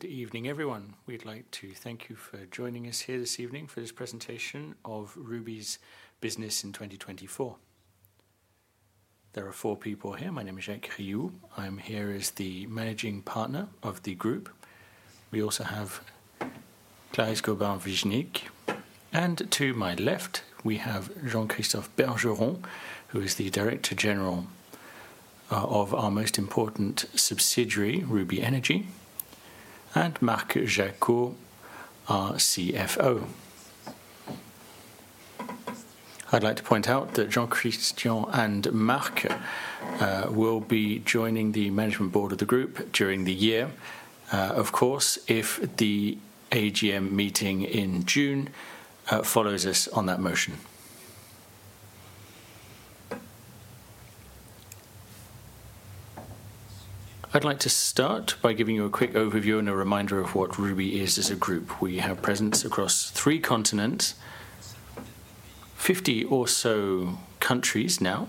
Good evening, everyone. We'd like to thank you for joining us here this evening for this presentation of Rubis' business in 2024. There are four people here. My name is Jacques Riou. I'm here as the Managing Partner of the group. We also have Clarisse Gobin-Swiecznik. To my left, we have Jean-Christophe Bergeron, who is the Director General of our most important subsidiary, Rubis Energy, and Marc Jacquot, our CFO. I'd like to point out that Jean-Christophe and Marc will be joining the Management Board of the group during the year, of course, if the AGM meeting in June follows us on that motion. I'd like to start by giving you a quick overview and a reminder of what Rubis is as a group. We have presence across three continents, 50 or so countries now.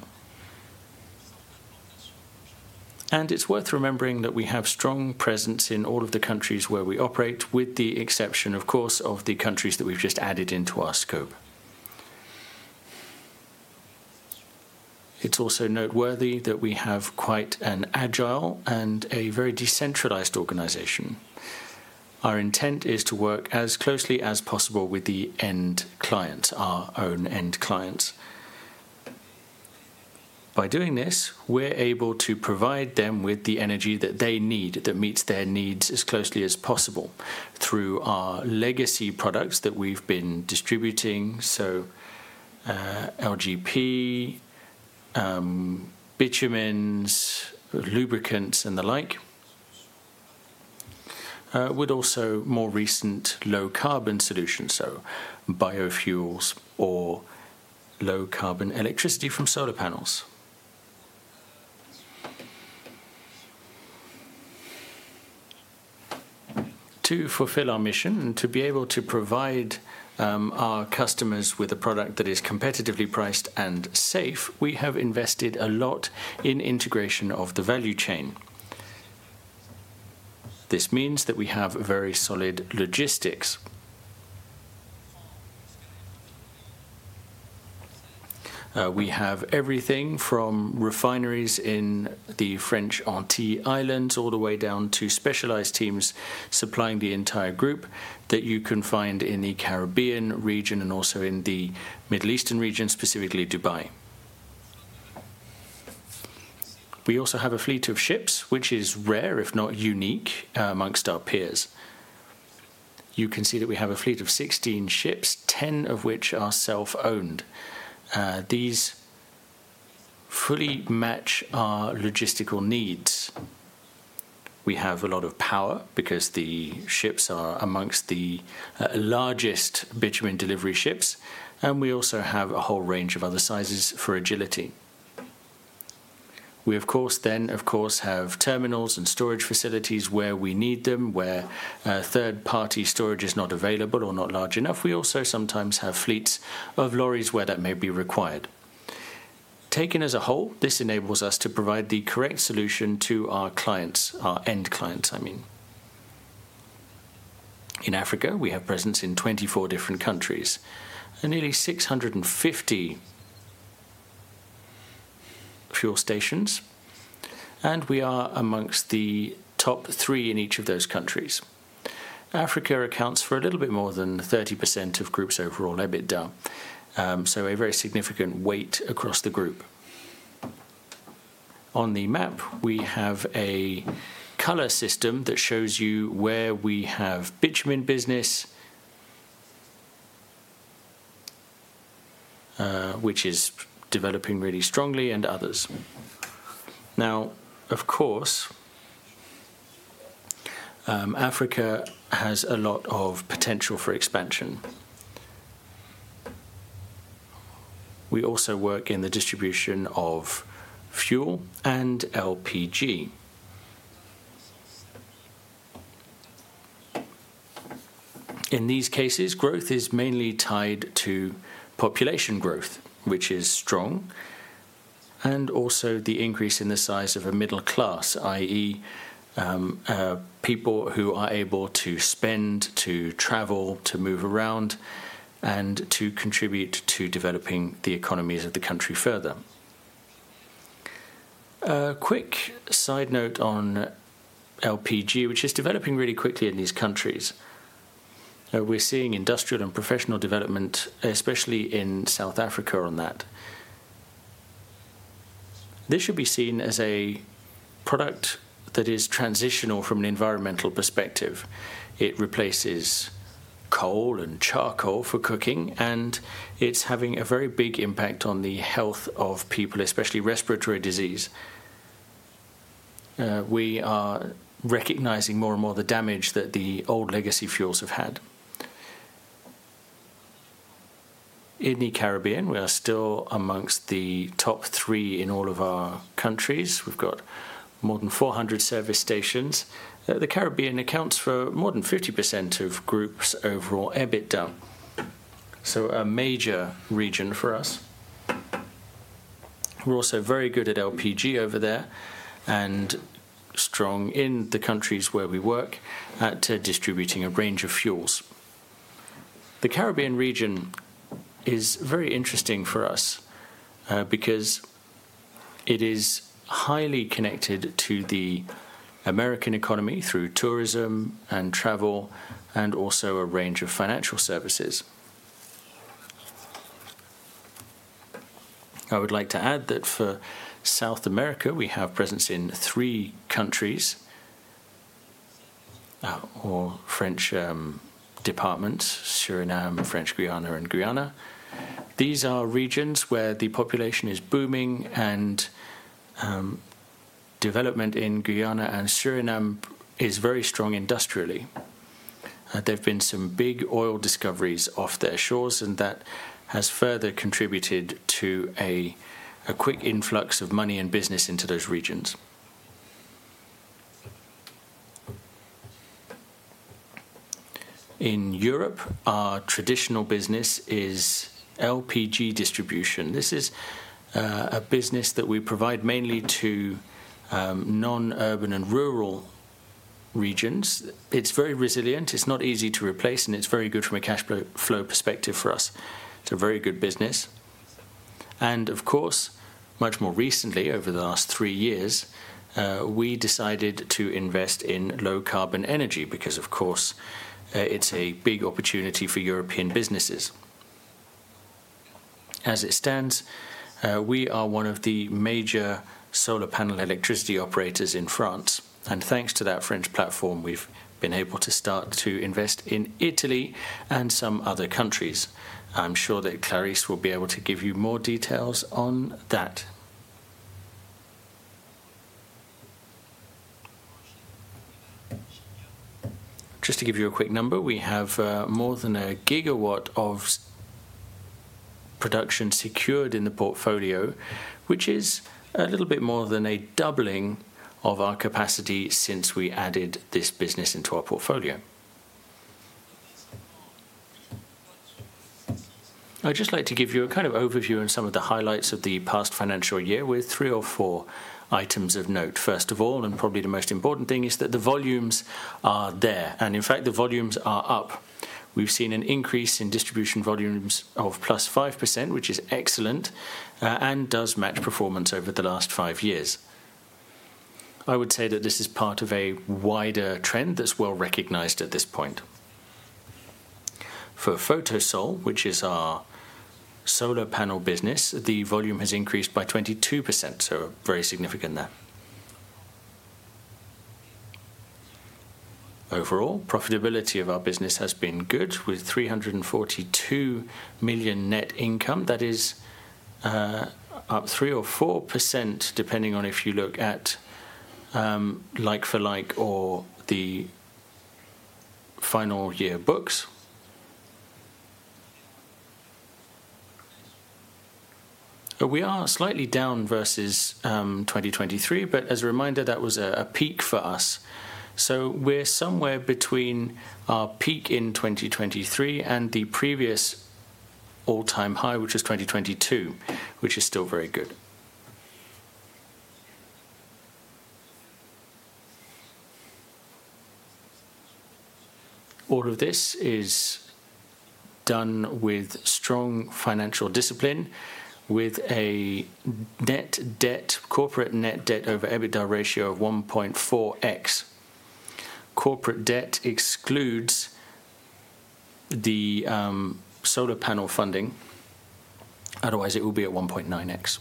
It is worth remembering that we have strong presence in all of the countries where we operate, with the exception, of course, of the countries that we have just added into our scope. It is also noteworthy that we have quite an agile and a very decentralized organization. Our intent is to work as closely as possible with the end client, our own end clients. By doing this, we are able to provide them with the energy that they need that meets their needs as closely as possible through our legacy products that we have been distributing, so LPG, bitumen, lubricants, and the like, with also more recent low-carbon solutions, so biofuels or low-carbon electricity from solar panels. To fulfill our mission and to be able to provide our customers with a product that is competitively priced and safe, we have invested a lot in integration of the value chain. This means that we have very solid logistics. We have everything from refineries in the French Antilles all the way down to specialized teams supplying the entire group that you can find in the Caribbean region and also in the Middle Eastern region, specifically Dubai. We also have a fleet of ships, which is rare, if not unique, amongst our peers. You can see that we have a fleet of 16 ships, 10 of which are self-owned. These fully match our logistical needs. We have a lot of power because the ships are amongst the largest bitumen delivery ships, and we also have a whole range of other sizes for agility. We, of course, have terminals and storage facilities where we need them, where third-party storage is not available or not large enough. We also sometimes have fleets of lorries where that may be required. Taken as a whole, this enables us to provide the correct solution to our clients, our end clients, I mean. In Africa, we have presence in 24 different countries, nearly 650 fuel stations, and we are amongst the top three in each of those countries. Africa accounts for a little bit more than 30% of group's overall, a bit down, so a very significant weight across the group. On the map, we have a color system that shows you where we have bitumen business, which is developing really strongly, and others. Now, of course, Africa has a lot of potential for expansion. We also work in the distribution of fuel and LPG. In these cases, growth is mainly tied to population growth, which is strong, and also the increase in the size of a middle class, i.e., people who are able to spend, to travel, to move around, and to contribute to developing the economies of the country further. A quick side note on LPG, which is developing really quickly in these countries. We're seeing industrial and professional development, especially in South Africa, on that. This should be seen as a product that is transitional from an environmental perspective. It replaces coal and charcoal for cooking, and it's having a very big impact on the health of people, especially respiratory disease. We are recognizing more and more the damage that the old legacy fuels have had. In the Caribbean, we are still amongst the top three in all of our countries. We've got more than 400 service stations. The Caribbean accounts for more than 50% of group's overall, a bit down. A major region for us. We're also very good at LPG over there and strong in the countries where we work at distributing a range of fuels. The Caribbean region is very interesting for us because it is highly connected to the American economy through tourism and travel and also a range of financial services. I would like to add that for South America, we have presence in three countries or French departments: Suriname, French Guiana, and Guyana. These are regions where the population is booming, and development in Guyana and Suriname is very strong industrially. There've been some big oil discoveries off their shores, and that has further contributed to a quick influx of money and business into those regions. In Europe, our traditional business is LPG distribution. This is a business that we provide mainly to non-urban and rural regions. It's very resilient. It's not easy to replace, and it's very good from a cash flow perspective for us. It's a very good business. Much more recently, over the last three years, we decided to invest in low-carbon energy because, of course, it's a big opportunity for European businesses. As it stands, we are one of the major solar panel electricity operators in France. Thanks to that French platform, we've been able to start to invest in Italy and some other countries. I'm sure that Clarisse will be able to give you more details on that. Just to give you a quick number, we have more than a gigawatt of production secured in the portfolio, which is a little bit more than a doubling of our capacity since we added this business into our portfolio. I'd just like to give you a kind of overview and some of the highlights of the past financial year with three or four items of note. First of all, and probably the most important thing, is that the volumes are there. In fact, the volumes are up. We've seen an increase in distribution volumes of +5%, which is excellent and does match performance over the last five years. I would say that this is part of a wider trend that's well recognized at this point. For Photocell, which is our solar panel business, the volume has increased by 22%, so very significant there. Overall, profitability of our business has been good with 342 million net income. That is up 3% or 4% depending on if you look at like-for-like or the final year books. We are slightly down versus 2023, but as a reminder, that was a peak for us. We are somewhere between our peak in 2023 and the previous all-time high, which was 2022, which is still very good. All of this is done with strong financial discipline, with a net debt, corporate net debt over EBITDA ratio of 1.4x. Corporate debt excludes the solar panel funding. Otherwise, it will be at 1.9x.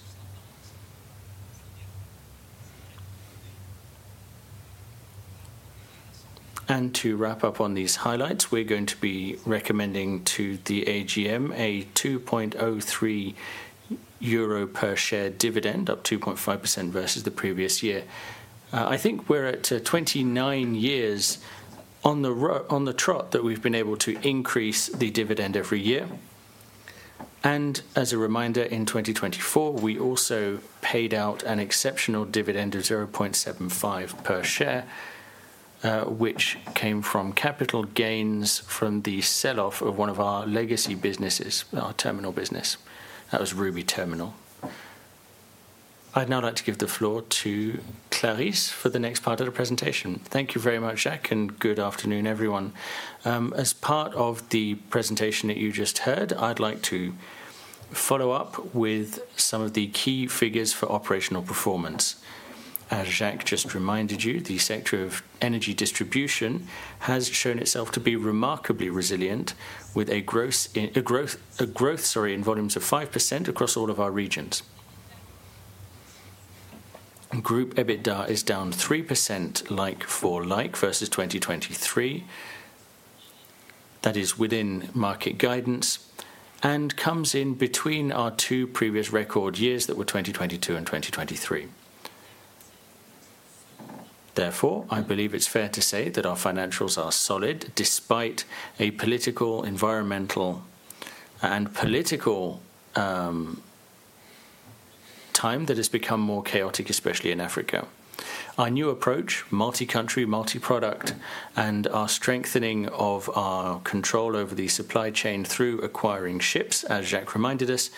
To wrap up on these highlights, we are going to be recommending to the AGM a 2.03 euro per share dividend, up 2.5% versus the previous year. I think we are at 29 years on the trot that we have been able to increase the dividend every year. As a reminder, in 2024, we also paid out an exceptional dividend of 0.75 per share, which came from capital gains from the sell-off of one of our legacy businesses, our terminal business. That was Rubis Terminal.I would now like to give the floor to Clarisse for the next part of the presentation. Thank you very much, Jacques, and good afternoon, everyone. As part of the presentation that you just heard, I would like to follow up with some of the key figures for operational performance. As Jacques just reminded you, the sector of energy distribution has shown itself to be remarkably resilient, with a growth, sorry, in volumes of 5% across all of our regions. Group EBITDA is down 3% like-for-like versus 2023. That is within market guidance and comes in between our two previous record years that were 2022 and 2023. Therefore, I believe it's fair to say that our financials are solid despite a political, environmental, and political time that has become more chaotic, especially in Africa. Our new approach, multi-country, multi-product, and our strengthening of our control over the supply chain through acquiring ships, as Jacques reminded us,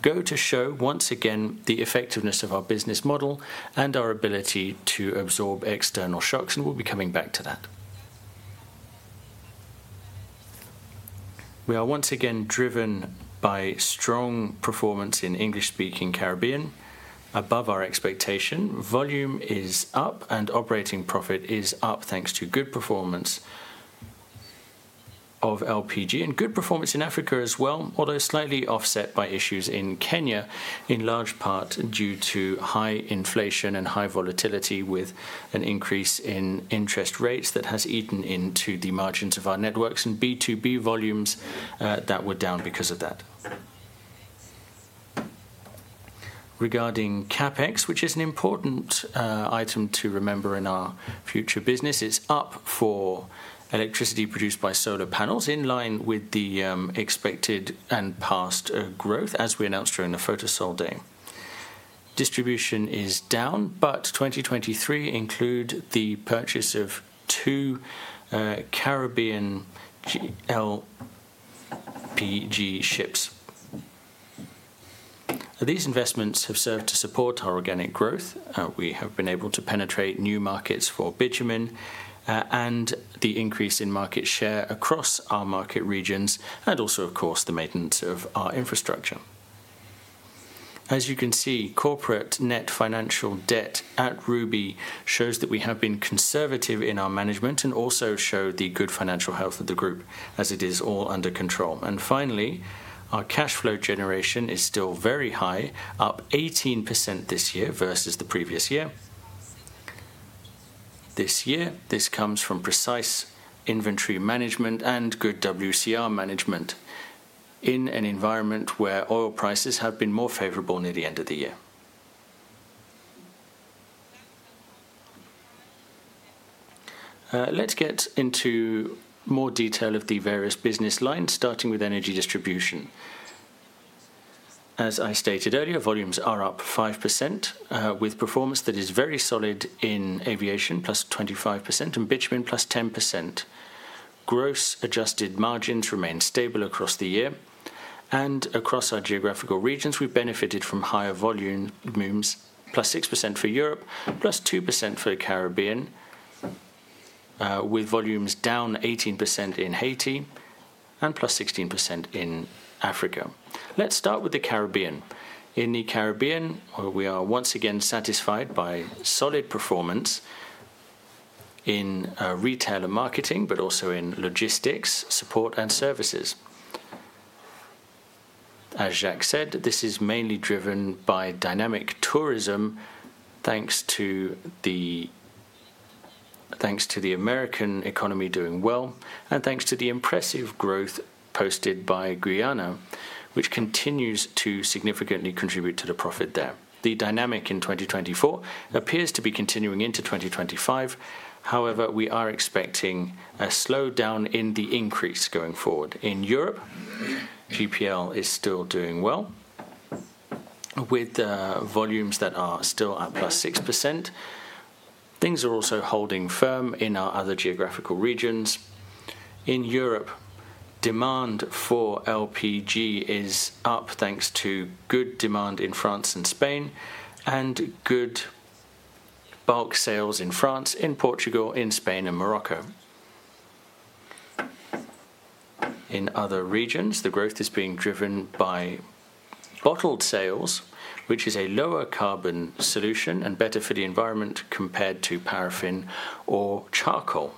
go to show once again the effectiveness of our business model and our ability to absorb external shocks, and we'll be coming back to that. We are once again driven by strong performance in English-speaking Caribbean, above our expectation. Volume is up, and operating profit is up thanks to good performance of LPG and good performance in Africa as well, although slightly offset by issues in Kenya, in large part due to high inflation and high volatility with an increase in interest rates that has eaten into the margins of our networks and B2B volumes that were down because of that. Regarding CapEx, which is an important item to remember in our future business, it's up for electricity produced by solar panels in line with the expected and past growth, as we announced during the Photocell day. Distribution is down, but 2023 included the purchase of two Caribbean LPG ships. These investments have served to support our organic growth. We have been able to penetrate new markets for bitumen and the increase in market share across our market regions and also, of course, the maintenance of our infrastructure. As you can see, corporate net financial debt at Rubis shows that we have been conservative in our management and also show the good financial health of the group as it is all under control. Finally, our cash flow generation is still very high, up 18% this year versus the previous year. This year, this comes from precise inventory management and good WCR management in an environment where oil prices have been more favorable near the end of the year. Let's get into more detail of the various business lines, starting with energy distribution. As I stated earlier, volumes are up 5% with performance that is very solid in aviation, plus 25%, and bitumen plus 10%. Gross adjusted margins remain stable across the year. Across our geographical regions, we benefited from higher volume booms, plus 6% for Europe, plus 2% for the Caribbean, with volumes down 18% in Haiti and plus 16% in Africa. Let's start with the Caribbean. In the Caribbean, we are once again satisfied by solid performance in retail and marketing, but also in logistics, support, and services. As Jacques said, this is mainly driven by dynamic tourism thanks to the American economy doing well and thanks to the impressive growth posted by Guyana, which continues to significantly contribute to the profit there. The dynamic in 2024 appears to be continuing into 2025. However, we are expecting a slowdown in the increase going forward. In Europe, LPG is still doing well with volumes that are still at plus 6%. Things are also holding firm in our other geographical regions. In Europe, demand for LPG is up thanks to good demand in France and Spain and good bulk sales in France, in Portugal, in Spain, and Morocco. In other regions, the growth is being driven by bottled sales, which is a lower carbon solution and better for the environment compared to paraffin or charcoal.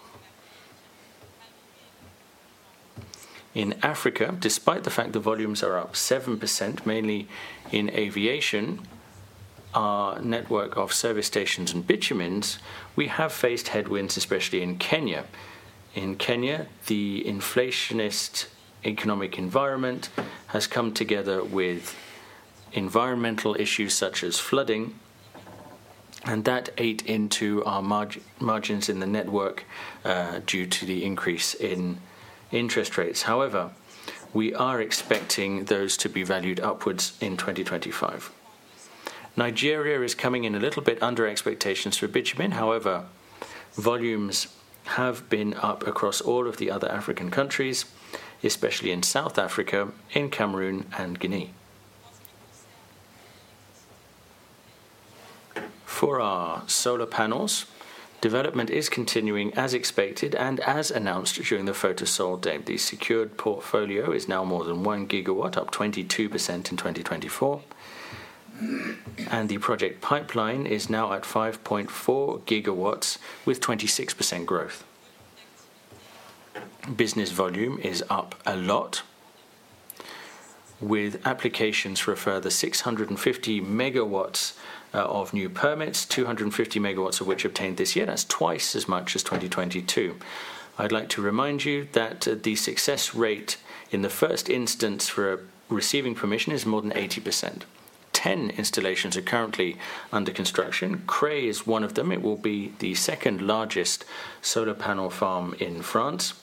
In Africa, despite the fact that volumes are up 7%, mainly in aviation, our network of service stations and bitumen, we have faced headwinds, especially in Kenya. In Kenya, the inflationist economic environment has come together with environmental issues such as flooding, and that ate into our margins in the network due to the increase in interest rates. However, we are expecting those to be valued upwards in 2025. Nigeria is coming in a little bit under expectations for bitumen. However, volumes have been up across all of the other African countries, especially in South Africa, in Cameroon, and Guinea. For our solar panels, development is continuing as expected and as announced during the Photocell day. The secured portfolio is now more than 1 gigawatt, up 22% in 2024. The project pipeline is now at 5.4 gigawatts with 26% growth. Business volume is up a lot, with applications for a further 650 megawatts of new permits, 250 megawatts of which obtained this year. That's twice as much as 2022. I'd like to remind you that the success rate in the first instance for receiving permission is more than 80%. Ten installations are currently under construction. Cray is one of them. It will be the second largest solar panel farm in France.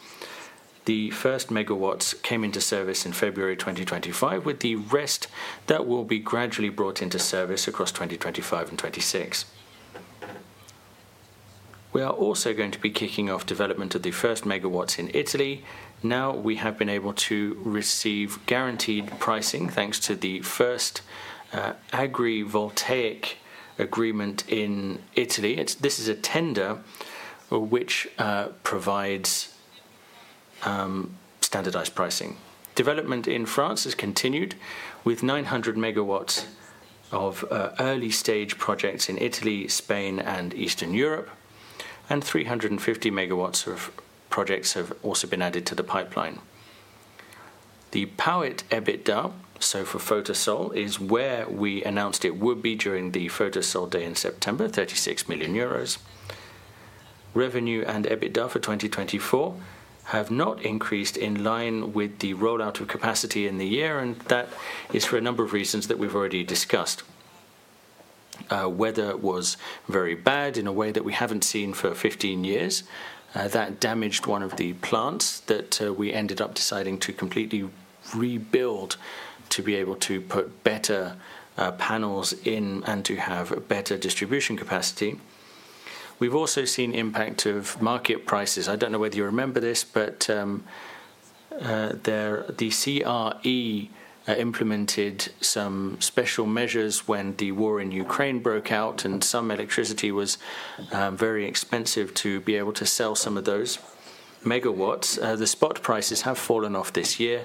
The first megawatts came into service in February 2025, with the rest that will be gradually brought into service across 2025 and 2026. We are also going to be kicking off development of the first megawatts in Italy. Now we have been able to receive guaranteed pricing thanks to the first agrivoltaic agreement in Italy. This is a tender which provides standardized pricing. Development in France has continued with 900 megawatts of early-stage projects in Italy, Spain, and Eastern Europe, and 350 megawatts of projects have also been added to the pipeline. The Photocell EBITDA is where we announced it would be during the Photocell day in September, 36 million euros. Revenue and EBITDA for 2024 have not increased in line with the rollout of capacity in the year, and that is for a number of reasons that we've already discussed. Weather was very bad in a way that we haven't seen for 15 years. That damaged one of the plants that we ended up deciding to completely rebuild to be able to put better panels in and to have better distribution capacity. We've also seen the impact of market prices. I don't know whether you remember this, but the CRE implemented some special measures when the war in Ukraine broke out, and some electricity was very expensive to be able to sell some of those megawatts. The spot prices have fallen off this year,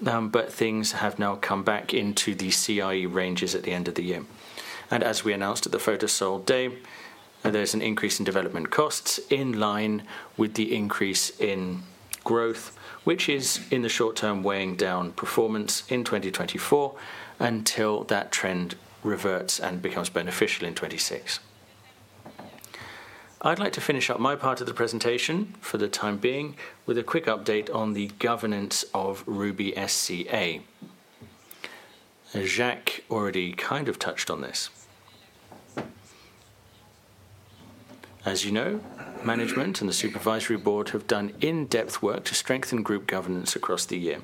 but things have now come back into the CRE ranges at the end of the year. As we announced at the Photocell day, there's an increase in development costs in line with the increase in growth, which is, in the short term, weighing down performance in 2024 until that trend reverts and becomes beneficial in 2026. I'd like to finish up my part of the presentation for the time being with a quick update on the governance of Rubis SCA. Jacques already kind of touched on this. As you know, management and the Supervisory Board have done in-depth work to strengthen group governance across the year.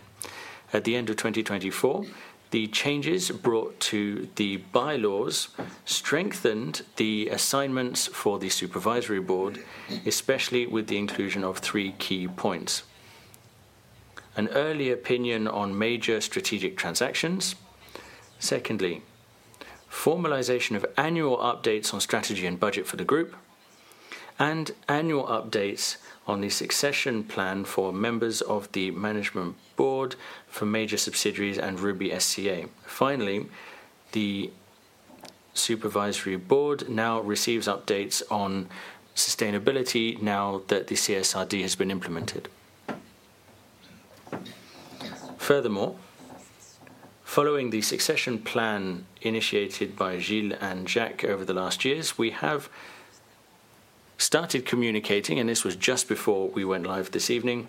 At the end of 2024, the changes brought to the bylaws strengthened the assignments for the Supervisory Board, especially with the inclusion of three key points: an early opinion on major strategic transactions, secondly, formalization of annual updates on strategy and budget for the group, and annual updates on the succession plan for members of the Management Board for major subsidiaries and Rubis SCA. Finally, the Supervisory Board now receives updates on sustainability now that the CSRD has been implemented. Furthermore, following the succession plan initiated by Gilles and Jacques over the last years, we have started communicating, and this was just before we went live this evening,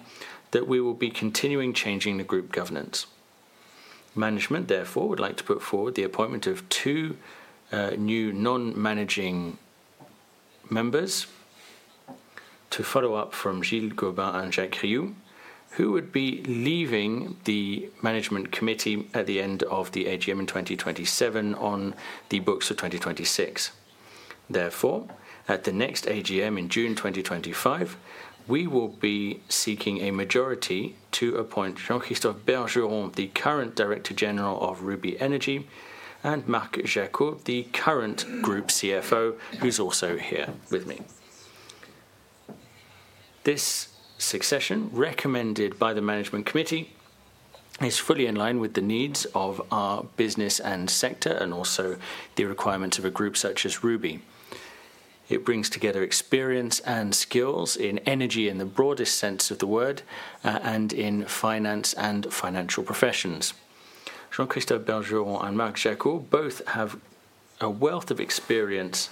that we will be continuing changing the group governance. Management, therefore, would like to put forward the appointment of two new non-managing members to follow up from Gilles Gobin and Jacques Riou, who would be leaving the management committee at the end of the AGM in 2027 on the books of 2026. Therefore, at the next AGM in June 2025, we will be seeking a majority to appoint Jean-Christophe Bergeron, the current Director General of Rubis Energy, and Marc Jacquot, the current Group CFO, who's also here with me. This succession, recommended by the management committee, is fully in line with the needs of our business and sector and also the requirements of a group such as Rubis. It brings together experience and skills in energy in the broadest sense of the word and in finance and financial professions. Jean-Christophe Bergeron and Marc Jacquot both have a wealth of experience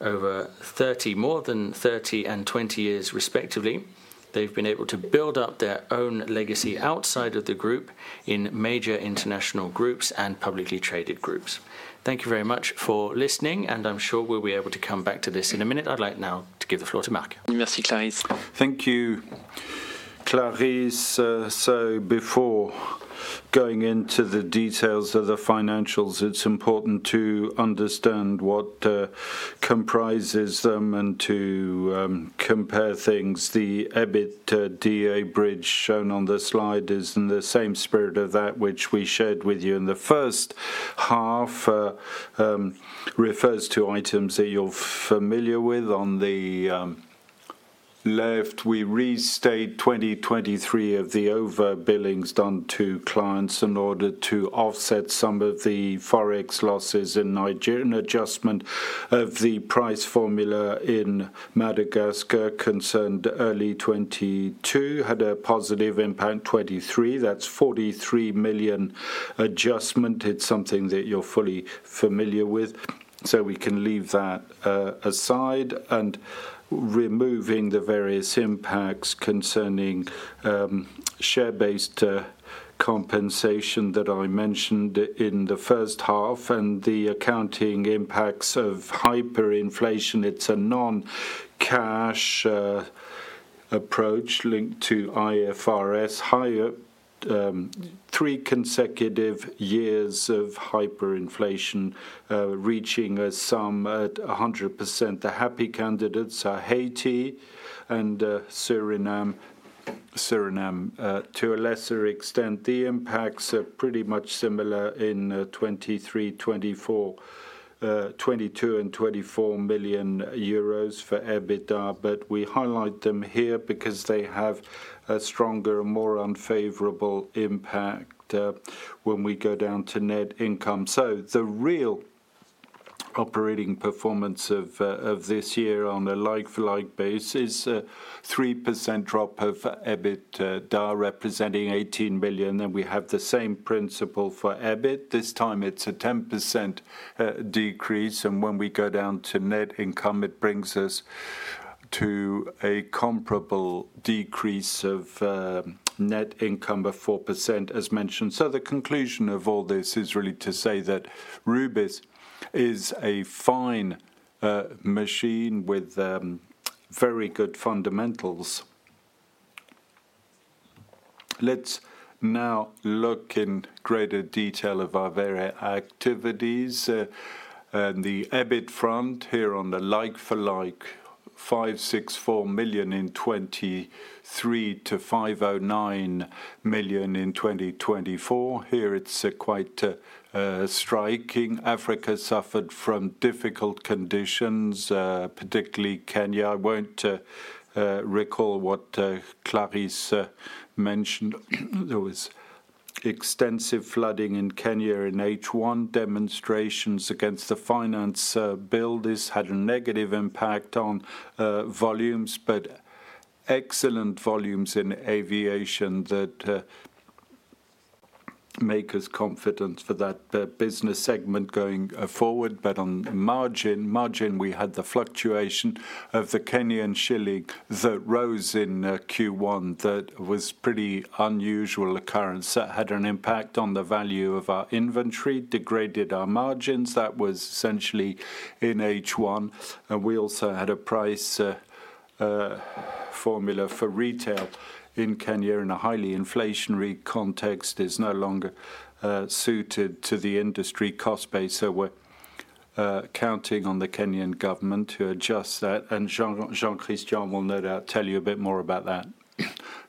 over 30, more than 30 and 20 years, respectively. They've been able to build up their own legacy outside of the group in major international groups and publicly traded groups. Thank you very much for listening, and I'm sure we'll be able to come back to this in a minute. I'd like now to give the floor to Marc. Merci, Clarisse. Thank you, Clarisse. Before going into the details of the financials, it's important to understand what comprises them and to compare things. The EBITDA bridge shown on the slide is in the same spirit of that which we shared with you in the first half, refers to items that you're familiar with. On the left, we restate 2023 of the over-billings done to clients in order to offset some of the Forex losses in Niger and adjustment of the price formula in Madagascar concerned early 2022 had a positive impact 2023. That's 43 million adjustment. It's something that you're fully familiar with. We can leave that aside. Removing the various impacts concerning share-based compensation that I mentioned in the first half and the accounting impacts of hyperinflation. It's a non-cash approach linked to IFRS. Three consecutive years of hyperinflation reaching a sum at 100%. The happy candidates are Haiti and Suriname. Suriname, to a lesser extent. The impacts are pretty much similar in 2023, 2024, 2022, and 24 million euros for EBITDA, but we highlight them here because they have a stronger and more unfavorable impact when we go down to net income. The real operating performance of this year on a like-for-like basis is a 3% drop of EBITDA representing 18 million. We have the same principle for EBIT. This time, it's a 10% decrease. When we go down to net income, it brings us to a comparable decrease of net income of 4%, as mentioned. The conclusion of all this is really to say that Rubis is a fine machine with very good fundamentals. Let's now look in greater detail at our various activities. The EBIT front here on the like-for-like: 564 million in 2023 to 509 million in 2024. Here, it's quite striking. Africa suffered from difficult conditions, particularly Kenya. I won't recall what Clarisse mentioned. There was extensive flooding in Kenya in H1. Demonstrations against the finance builders had a negative impact on volumes, but excellent volumes in aviation that make us confident for that business segment going forward. On margin, we had the fluctuation of the Kenya and Chile that rose in Q1. That was a pretty unusual occurrence. That had an impact on the value of our inventory, degraded our margins. That was essentially in H1. We also had a price formula for retail in Kenya in a highly inflationary context that is no longer suited to the industry cost base. We are counting on the Kenyan government to adjust that. Jean-Christophe will tell you a bit more about that.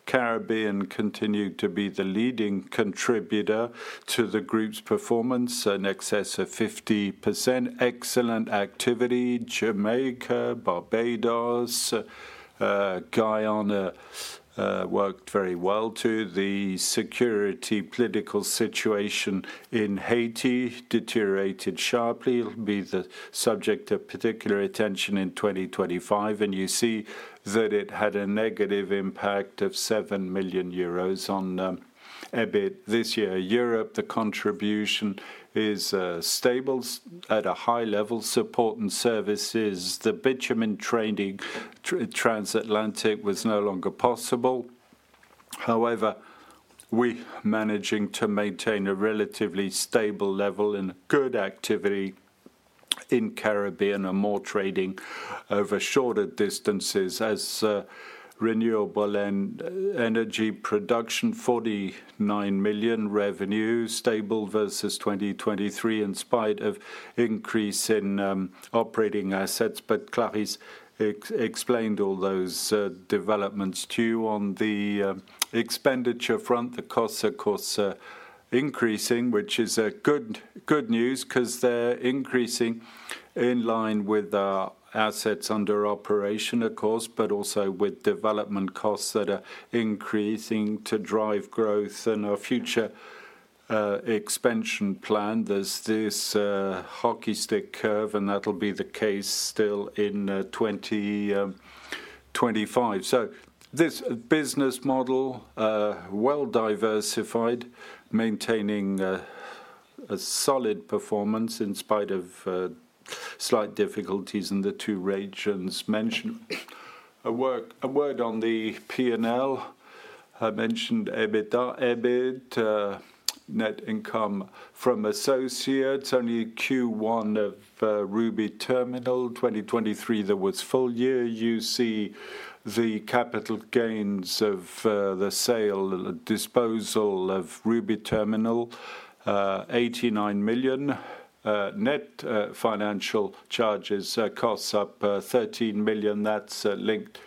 Caribbean continued to be the leading contributor to the group's performance, in excess of 50%. Excellent activity. Jamaica, Barbados, Guyana worked very well too. The security political situation in Haiti deteriorated sharply. It will be the subject of particular attention in 2025. You see that it had a negative impact of 7 million euros on EBIT this year. Europe, the contribution is stable at a high level. Support and services. The bitumen trading transatlantic was no longer possible. However, we are managing to maintain a relatively stable level in good activity in Caribbean and more trading over shorter distances as renewable energy production. 49 million revenue, stable versus 2023 in spite of an increase in operating assets. Clarisse explained all those developments to you. On the expenditure front, the costs, of course, are increasing, which is good news because they're increasing in line with our assets under operation, of course, but also with development costs that are increasing to drive growth and our future expansion plan. There is this hockey stick curve, and that'll be the case still in 2025. This business model, well diversified, maintaining a solid performance in spite of slight difficulties in the two regions mentioned. A word on the P&L. I mentioned EBITDA, EBIT, net income from associates. Only Q1 of Rubis Terminal. In 2023, there was full year. You see the capital gains of the sale and disposal of Rubis Terminal: 89 million. Net financial charges cost up 13 million. That's linked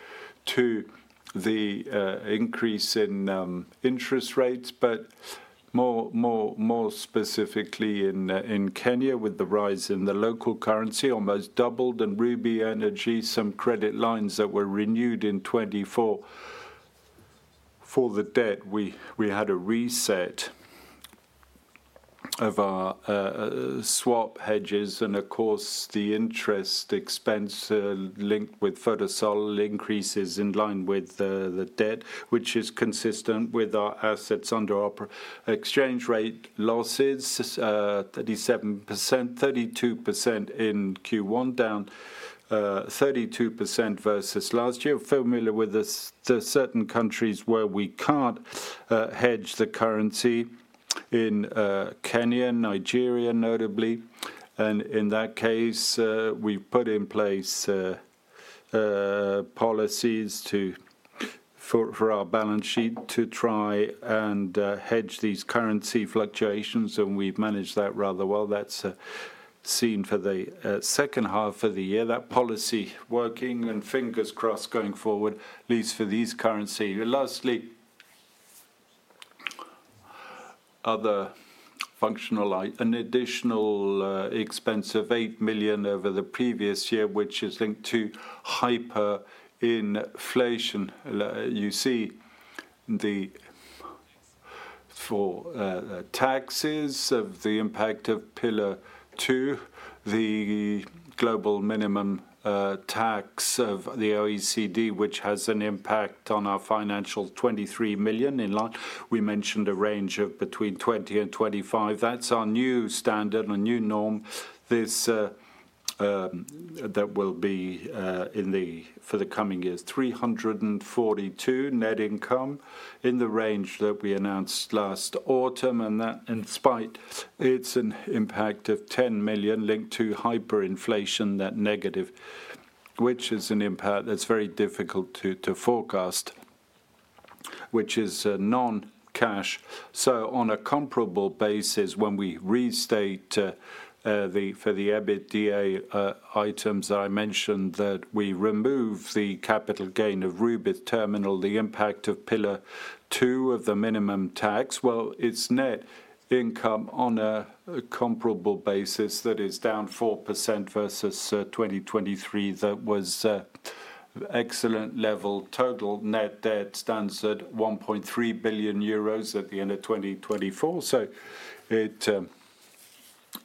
to the increase in interest rates, but more specifically in Kenya with the rise in the local currency almost doubled and Rubis Energy, some credit lines that were renewed in 2024 for the debt. We had a reset of our swap hedges. Of course, the interest expense linked with Photocell increases in line with the debt, which is consistent with our assets under exchange rate losses: 37%, 32% in Q1, down 32% versus last year. Familiar with the certain countries where we can't hedge the currency in Kenya, Nigeria notably. In that case, we've put in place policies for our balance sheet to try and hedge these currency fluctuations. We've managed that rather well. That's a scene for the second half of the year. That policy working and fingers crossed going forward, at least for these currencies. Lastly, other functional light. An additional expense of 8 million over the previous year, which is linked to hyperinflation. You see the for taxes of the impact of pillar two, the global minimum tax of the OECD, which has an impact on our financials, 23 million in line. We mentioned a range of between 20 million and 25 million. That's our new standard, a new norm. This that will be in the for the coming years. 342 million net income in the range that we announced last autumn. And that, in spite, it's an impact of 10 million linked to hyperinflation, that negative, which is an impact that's very difficult to forecast, which is non-cash. On a comparable basis, when we restate for the EBITDA items that I mentioned, that we remove the capital gain of Rubis Terminal, the impact of pillar two of the minimum tax, it's net income on a comparable basis that is down 4% versus 2023. That was excellent level. Total net debt stands at 1.3 billion euros at the end of 2024. It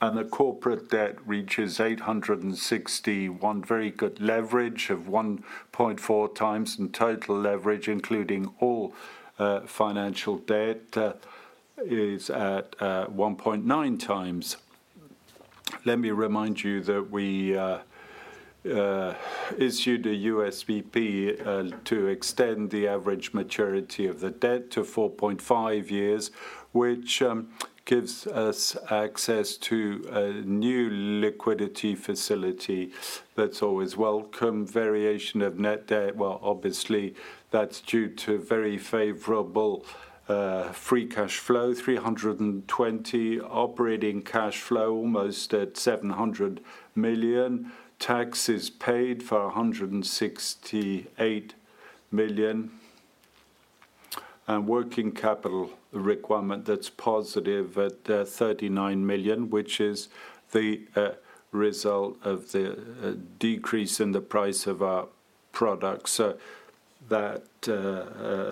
and the corporate debt reaches 861 million, very good leverage of 1.4 times, and total leverage, including all financial debt, is at 1.9 times. Let me remind you that we issued a USPP to extend the average maturity of the debt to 4.5 years, which gives us access to a new liquidity facility. That's always welcome. Variation of net debt, obviously that's due to very favorable free cash flow. 320 million operating cash flow, almost at 700 million. Taxes paid for 168 million. Working capital requirement is positive at 39 million, which is the result of the decrease in the price of our products. That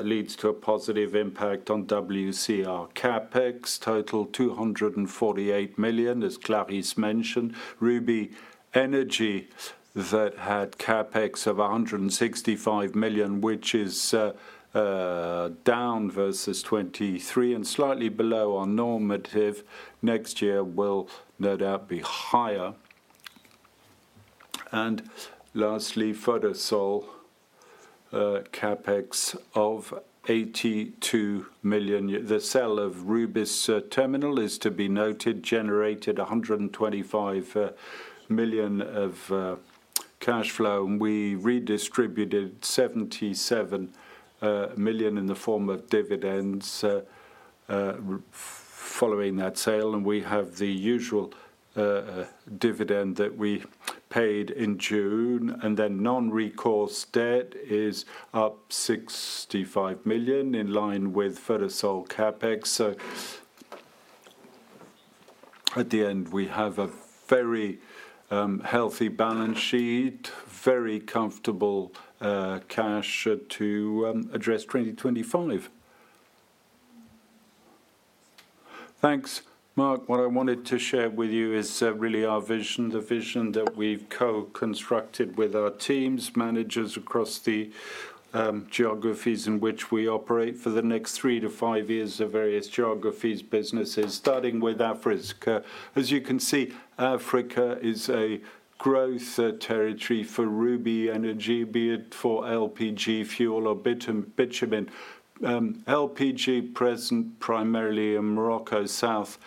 leads to a positive impact on WCR. CapEx totals EUR 248 million, as Clarisse mentioned. Rubis Energy had CapEx of 165 million, which is down versus 2023 and slightly below our normative. Next year will no doubt be higher. Lastly, Photocell CapEx is 82 million. The sale of Rubis Terminal is to be noted, generated 125 million of cash flow. We redistributed 77 million in the form of dividends following that sale. We have the usual dividend that we paid in June. Non-recourse debt is up 65 million in line with Photocell CapEx. At the end, we have a very healthy balance sheet, very comfortable cash to address 2025. Thanks, Marc. What I wanted to share with you is really our vision, the vision that we've co-constructed with our teams, managers across the geographies in which we operate for the next three to five years of various geographies, businesses, starting with Africa. As you can see, Africa is a growth territory for Rubis Energy, be it for LPG, fuel, or bitumen. LPG present primarily in Morocco, South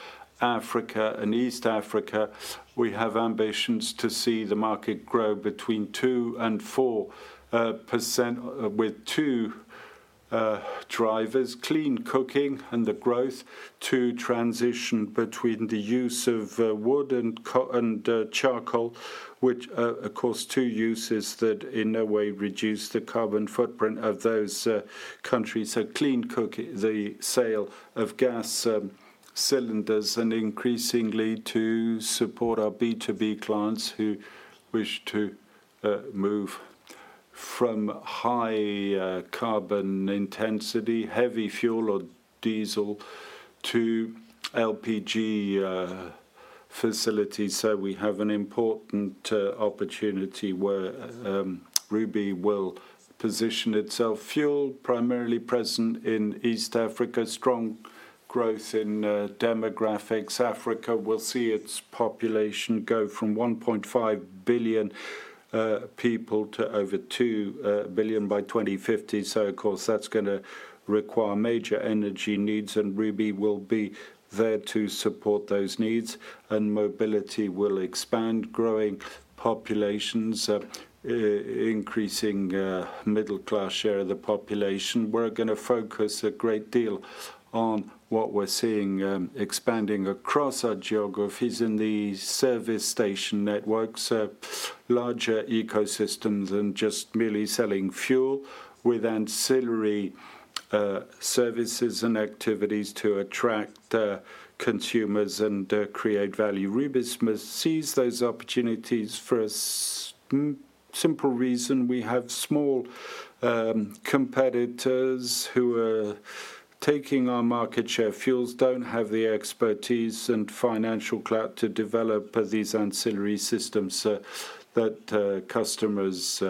Africa, and East Africa. We have ambitions to see the market grow between 2% and 4% with two drivers: clean cooking and the growth, to transition between the use of wood and charcoal, which, of course, two uses that in no way reduce the carbon footprint of those countries. Clean cooking, the sale of gas cylinders, and increasingly to support our B2B clients who wish to move from high carbon intensity, heavy fuel or diesel, to LPG facilities. We have an important opportunity where Rubis will position itself. Fuel primarily present in East Africa, strong growth in demographics. Africa will see its population go from 1.5 billion people to over 2 billion by 2050. Of course, that is going to require major energy needs. Rubis will be there to support those needs. Mobility will expand, growing populations, increasing middle-class share of the population. We are going to focus a great deal on what we are seeing expanding across our geographies in the service station networks, larger ecosystems, and just merely selling fuel with ancillary services and activities to attract consumers and create value. Rubis sees those opportunities for a simple reason. We have small competitors who are taking our market share of fuels, do not have the expertise and financial clout to develop these ancillary systems that customers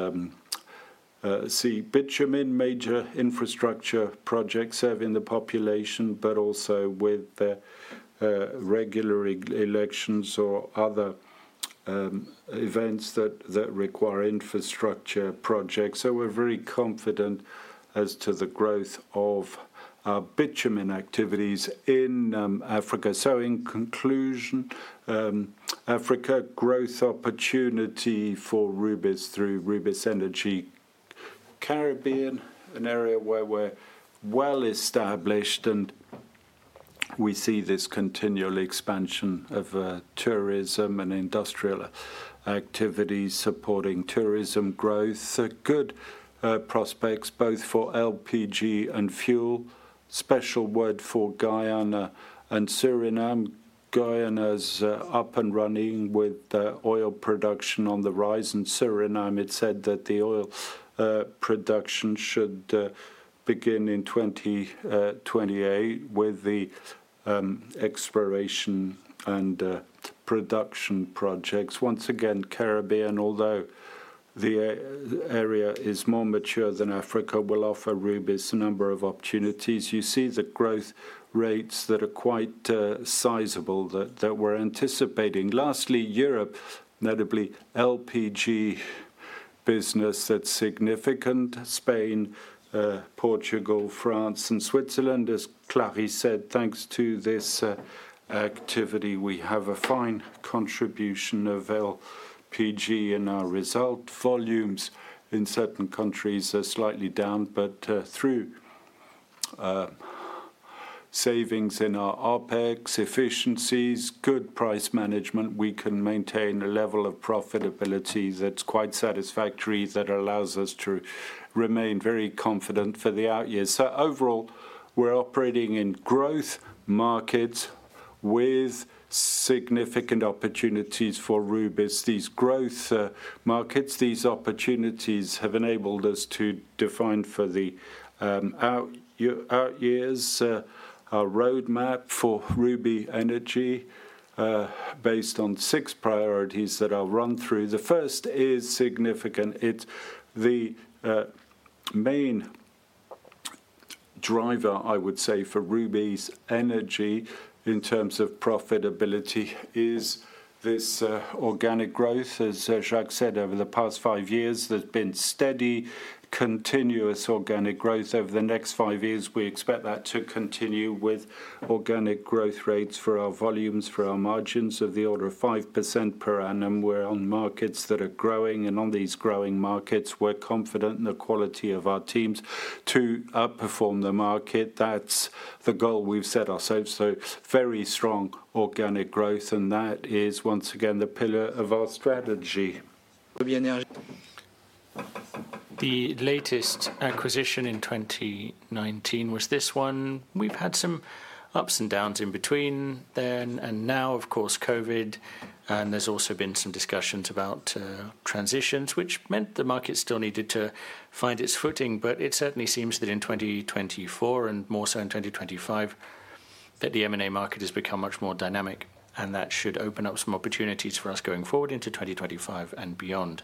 see. Bitumen, major infrastructure projects serving the population, but also with regular elections or other events that require infrastructure projects. We are very confident as to the growth of our bitumen activities in Africa. In conclusion, Africa growth opportunity for Rubis through Rubis Energy. Caribbean, an area where we are well established, and we see this continual expansion of tourism and industrial activity supporting tourism growth. Good prospects both for LPG and fuel. Special word for Guyana and Suriname. Guyana's up and running with oil production on the rise. Suriname, it is said that the oil production should begin in 2028 with the exploration and production projects. Once again, Caribbean, although the area is more mature than Africa, will offer Rubis a number of opportunities. You see the growth rates that are quite sizable that we are anticipating. Lastly, Europe, notably LPG business, that is significant. Spain, Portugal, France, and Switzerland, as Clarisse said, thanks to this activity, we have a fine contribution of LPG in our result. Volumes in certain countries are slightly down, but through savings in our OPEX efficiencies, good price management, we can maintain a level of profitability that's quite satisfactory that allows us to remain very confident for the out year. Overall, we're operating in growth markets with significant opportunities for Rubis. These growth markets, these opportunities have enabled us to define for the out years our roadmap for Rubis Energy based on six priorities that I'll run through. The first is significant. It's the main driver, I would say, for Rubis Energy in terms of profitability is this organic growth. As Jacques said, over the past five years, there's been steady, continuous organic growth. Over the next five years, we expect that to continue with organic growth rates for our volumes, for our margins of the order of 5% per annum. We are on markets that are growing, and on these growing markets, we are confident in the quality of our teams to outperform the market. That is the goal we have set ourselves. Very strong organic growth, and that is, once again, the pillar of our strategy. Rubis Energy, the latest acquisition in 2019 was this one. We have had some ups and downs in between then and now, of course, COVID. There have also been some discussions about transitions, which meant the market still needed to find its footing. It certainly seems that in 2024 and more so in 2025, the M&A market has become much more dynamic, and that should open up some opportunities for us going forward into 2025 and beyond.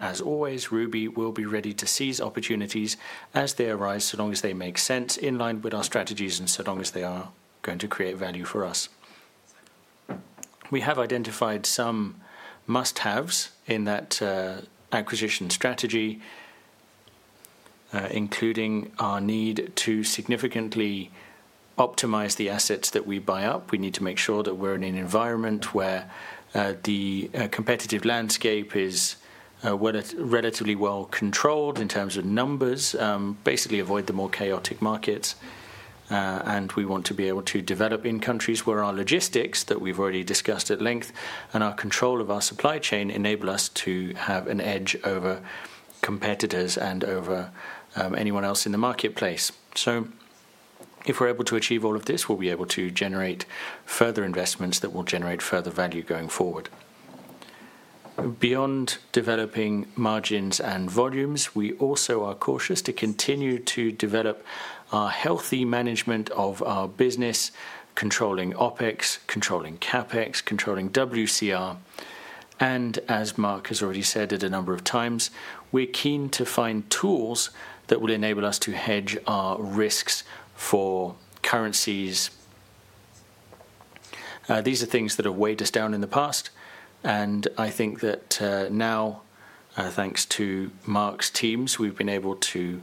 As always, Rubis will be ready to seize opportunities as they arise, so long as they make sense in line with our strategies and so long as they are going to create value for us. We have identified some must-haves in that acquisition strategy, including our need to significantly optimize the assets that we buy up. We need to make sure that we're in an environment where the competitive landscape is relatively well controlled in terms of numbers, basically avoid the more chaotic markets. We want to be able to develop in countries where our logistics, that we've already discussed at length, and our control of our supply chain enable us to have an edge over competitors and over anyone else in the marketplace. If we're able to achieve all of this, we'll be able to generate further investments that will generate further value going forward. Beyond developing margins and volumes, we also are cautious to continue to develop our healthy management of our business, controlling OPEX, controlling CapEx, controlling WCR. As Marc has already said at a number of times, we're keen to find tools that will enable us to hedge our risks for currencies. These are things that have weighed us down in the past. I think that now, thanks to Marc's teams, we've been able to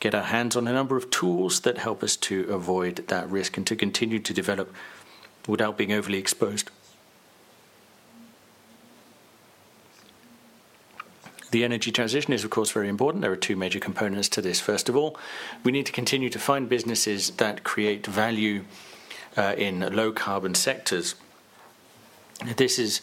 get our hands on a number of tools that help us to avoid that risk and to continue to develop without being overly exposed. The energy transition is, of course, very important. There are two major components to this. First of all, we need to continue to find businesses that create value in low-carbon sectors. This is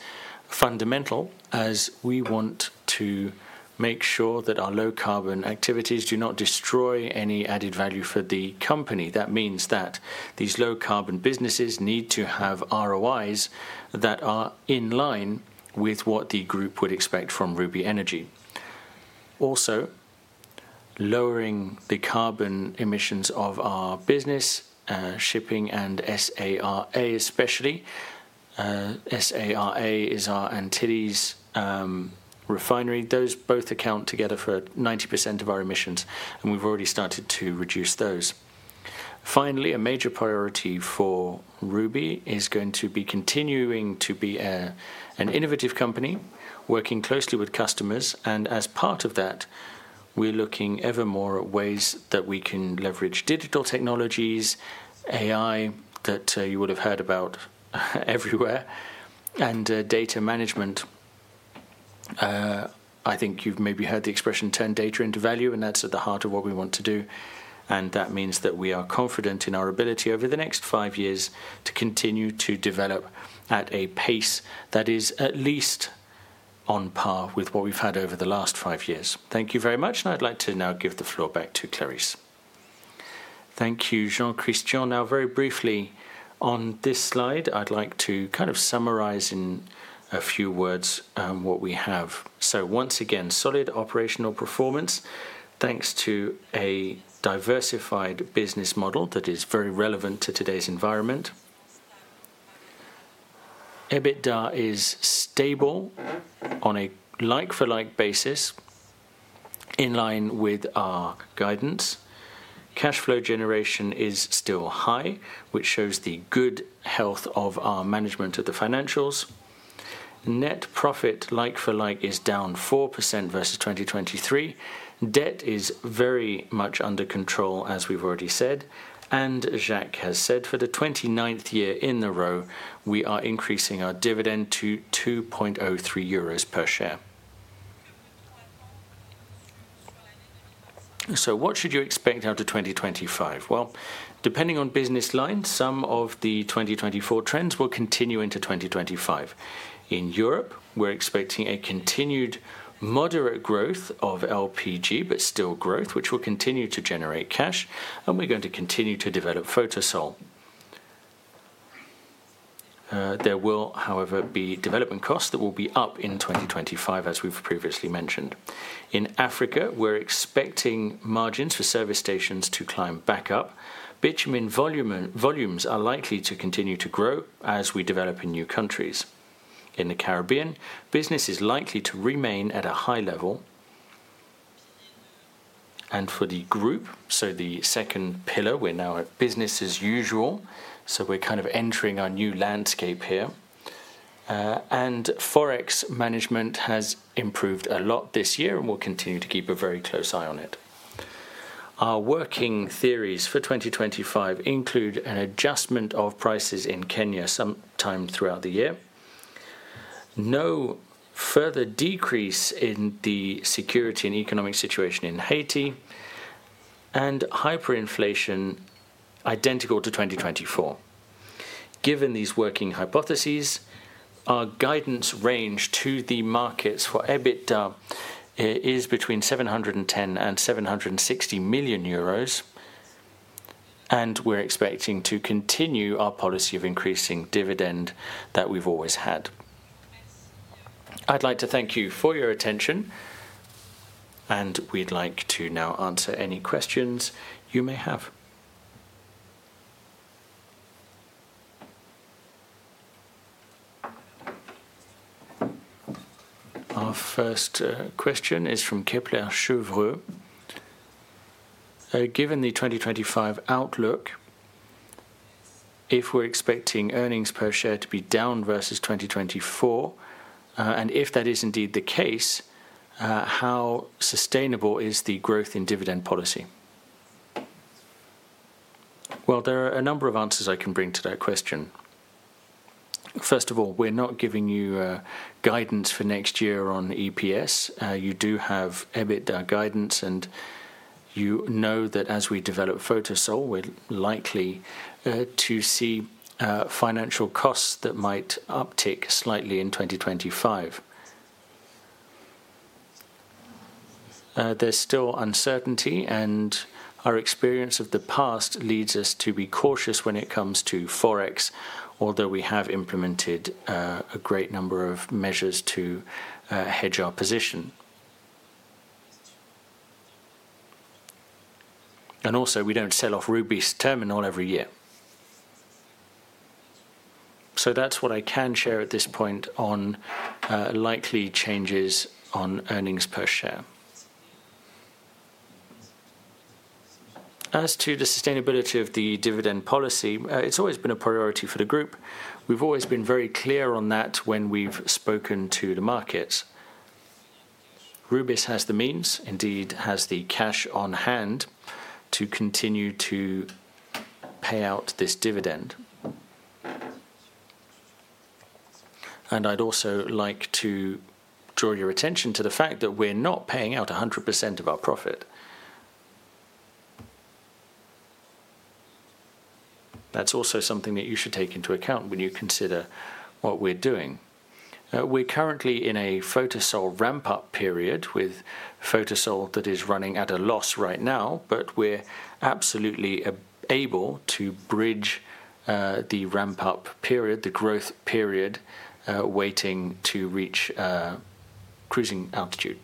fundamental as we want to make sure that our low-carbon activities do not destroy any added value for the company. That means that these low-carbon businesses need to have ROIs that are in line with what the group would expect from Rubis Energy. Also, lowering the carbon emissions of our business, shipping and SARA especially. SARA is our Antilles refinery. Those both account together for 90% of our emissions, and we've already started to reduce those. Finally, a major priority for Rubis is going to be continuing to be an innovative company, working closely with customers. As part of that, we're looking ever more at ways that we can leverage digital technologies, AI that you would have heard about everywhere, and data management. I think you've maybe heard the expression, "Turn data into value," and that's at the heart of what we want to do. That means that we are confident in our ability over the next five years to continue to develop at a pace that is at least on par with what we've had over the last five years. Thank you very much, and I'd like to now give the floor back to Clarisse. Thank you, Jean-Christian. Now, very briefly, on this slide, I'd like to kind of summarize in a few words what we have. Once again, solid operational performance thanks to a diversified business model that is very relevant to today's environment. EBITDA is stable on a like-for-like basis in line with our guidance. Cash flow generation is still high, which shows the good health of our management of the financials. Net profit like-for-like is down 4% versus 2023. Debt is very much under control, as we've already said. Jacques has said, for the twenty-ninth year in a row, we are increasing our dividend to 2.03 euros per share. What should you expect out to 2025? Depending on business line, some of the 2024 trends will continue into 2025. In Europe, we're expecting a continued moderate growth of LPG, but still growth, which will continue to generate cash, and we're going to continue to develop Photocell. There will, however, be development costs that will be up in 2025, as we've previously mentioned. In Africa, we're expecting margins for service stations to climb back up. Bitumen volumes are likely to continue to grow as we develop in new countries. In the Caribbean, business is likely to remain at a high level. For the group, the second pillar, we're now at business as usual. We're kind of entering our new landscape here. Forex management has improved a lot this year, and we'll continue to keep a very close eye on it. Our working theories for 2025 include an adjustment of prices in Kenya sometime throughout the year, no further decrease in the security and economic situation in Haiti, and hyperinflation identical to 2024. Given these working hypotheses, our guidance range to the markets for EBITDA is between 710 million and 760 million euros, and we're expecting to continue our policy of increasing dividend that we've always had. I'd like to thank you for your attention, and we'd like to now answer any questions you may have. Our first question is from Kepler Cheuvreux. Given the 2025 outlook, if we're expecting earnings per share to be down versus 2024, and if that is indeed the case, how sustainable is the growth in dividend policy? There are a number of answers I can bring to that question. First of all, we're not giving you guidance for next year on EPS. You do have EBITDA guidance, and you know that as we develop Photocell, we're likely to see financial costs that might uptick slightly in 2025. There's still uncertainty, and our experience of the past leads us to be cautious when it comes to Forex, although we have implemented a great number of measures to hedge our position. Also, we don't sell off Rubis Terminal every year. That's what I can share at this point on likely changes on earnings per share. As to the sustainability of the dividend policy, it's always been a priority for the group. We've always been very clear on that when we've spoken to the markets. Rubis has the means, indeed has the cash on hand to continue to pay out this dividend. I would also like to draw your attention to the fact that we are not paying out 100% of our profit. That is also something that you should take into account when you consider what we are doing. We are currently in a Photocell ramp-up period with Photocell that is running at a loss right now, but we are absolutely able to bridge the ramp-up period, the growth period, waiting to reach cruising altitude.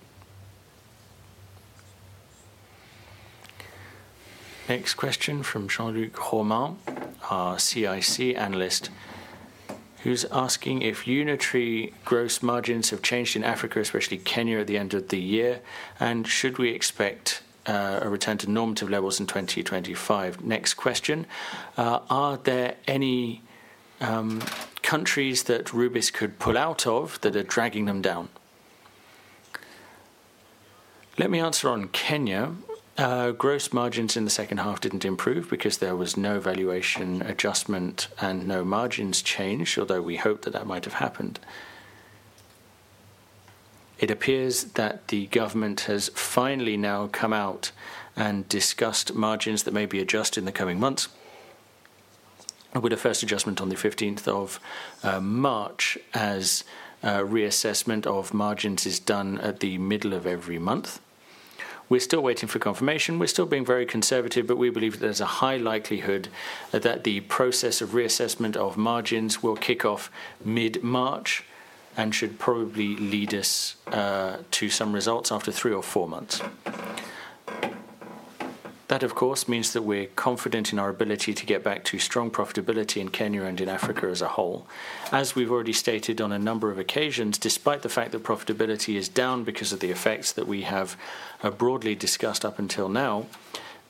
Next question from Jean-Luc Romard, our CIC analyst, who is asking if unitary gross margins have changed in Africa, especially Kenya, at the end of the year, and should we expect a return to normative levels in 2025. Next question, are there any countries that Rubis could pull out of that are dragging them down? Let me answer on Kenya. Gross margins in the second half did not improve because there was no valuation adjustment and no margins change, although we hoped that that might have happened. It appears that the government has finally now come out and discussed margins that may be adjusted in the coming months with a first adjustment on the 15th of March as reassessment of margins is done at the middle of every month. We are still waiting for confirmation. We are still being very conservative, but we believe that there is a high likelihood that the process of reassessment of margins will kick off mid-March and should probably lead us to some results after three or four months. That, of course, means that we are confident in our ability to get back to strong profitability in Kenya and in Africa as a whole. As we've already stated on a number of occasions, despite the fact that profitability is down because of the effects that we have broadly discussed up until now,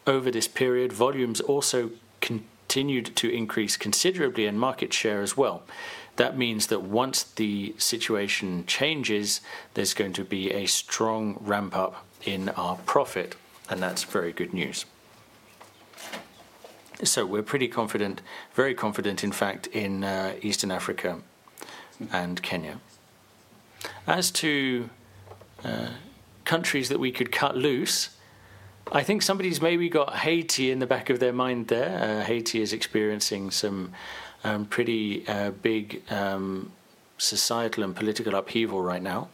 over this period, volumes also continued to increase considerably in market share as well. That means that once the situation changes, there's going to be a strong ramp-up in our profit, and that's very good news. We're pretty confident, very confident, in fact, in Eastern Africa and Kenya. As to countries that we could cut loose. I think somebody's maybe got Haiti in the back of their mind there. Haiti is experiencing some pretty big societal and political upheaval right now.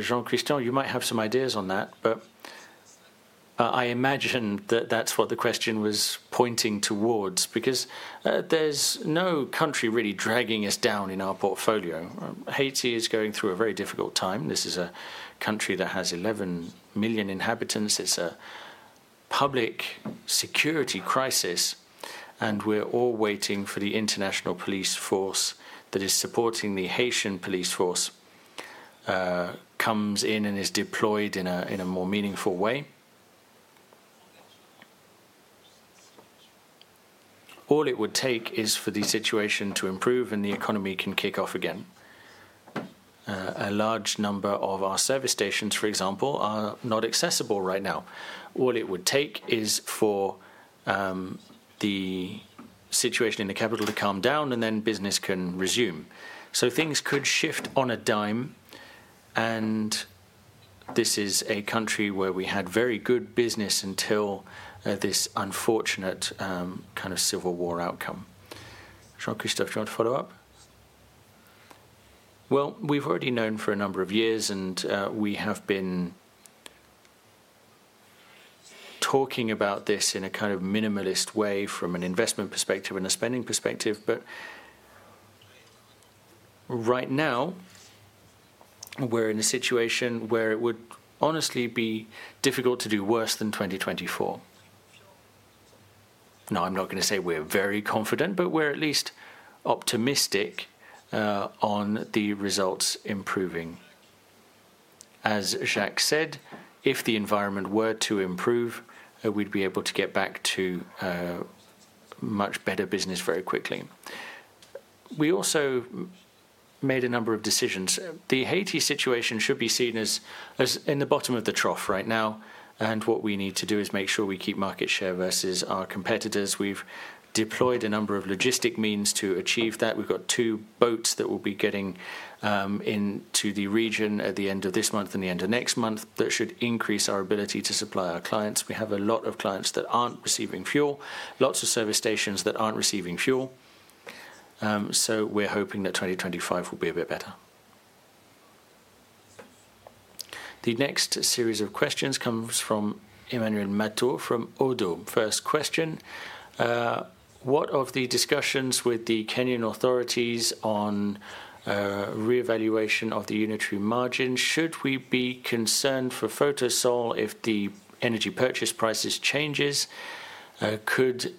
Jean-Christian, you might have some ideas on that, but I imagine that that's what the question was pointing towards because there's no country really dragging us down in our portfolio. Haiti is going through a very difficult time. This is a country that has 11 million inhabitants. It's a public security crisis, and we're all waiting for the international police force that is supporting the Haitian police force to come in and is deployed in a more meaningful way. All it would take is for the situation to improve and the economy can kick off again. A large number of our service stations, for example, are not accessible right now. All it would take is for the situation in the capital to calm down and then business can resume. Things could shift on a dime, and this is a country where we had very good business until this unfortunate kind of civil war outcome. Jean-Christian, do you want to follow up? We have already known for a number of years, and we have been talking about this in a kind of minimalist way from an investment perspective and a spending perspective. Right now, we are in a situation where it would honestly be difficult to do worse than 2024. I am not going to say we are very confident, but we are at least optimistic on the results improving. As Jacques said, if the environment were to improve, we would be able to get back to much better business very quickly. We also made a number of decisions. The Haiti situation should be seen as in the bottom of the trough right now, and what we need to do is make sure we keep market share versus our competitors. We have deployed a number of logistic means to achieve that. We've got two boats that will be getting into the region at the end of this month and the end of next month that should increase our ability to supply our clients. We have a lot of clients that aren't receiving fuel, lots of service stations that aren't receiving fuel. We're hoping that 2025 will be a bit better. The next series of questions comes from Emmanuel Matot from ODDO. First question, what of the discussions with the Kenyan authorities on reevaluation of the unitary margin? Should we be concerned for Photocell if the energy purchase prices changes? Could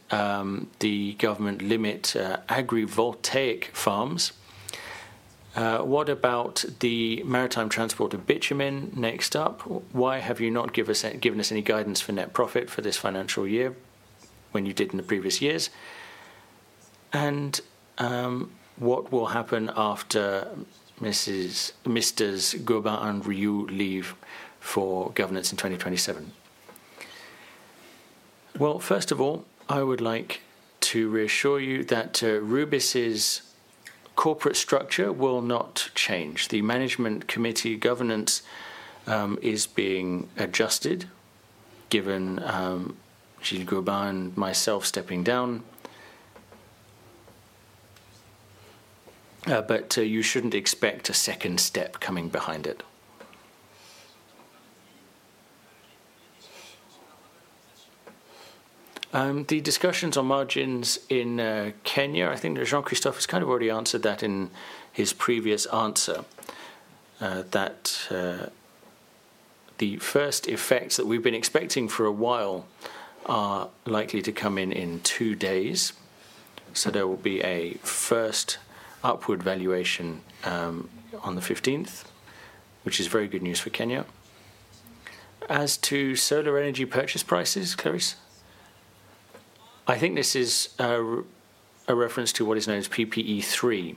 the government limit agrivoltaic farms? What about the maritime transport of bitumen next up? Why have you not given us any guidance for net profit for this financial year when you did in the previous years? What will happen after Mr. Gobin-Riou leave for governance in 2027? First of all, I would like to reassure you that Rubis's corporate structure will not change. The management committee governance is being adjusted given Gilles Gobin and myself stepping down, but you should not expect a second step coming behind it. The discussions on margins in Kenya, I think Jean-Christian has kind of already answered that in his previous answer, that the first effects that we have been expecting for a while are likely to come in in two days. There will be a first upward valuation on the 15th, which is very good news for Kenya. As to solar energy purchase prices, Clarisse. I think this is a reference to what is known as PPE3.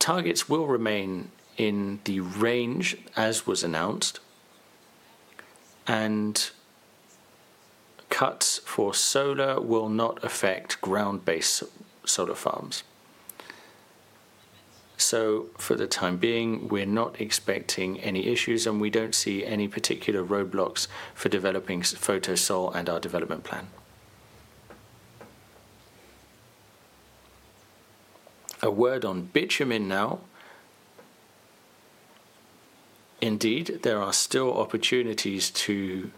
Targets will remain in the range as was announced, and cuts for solar will not affect ground-based solar farms. For the time being, we're not expecting any issues, and we don't see any particular roadblocks for developing Photocell and our development plan. A word on bitumen now. Indeed, there are still opportunities to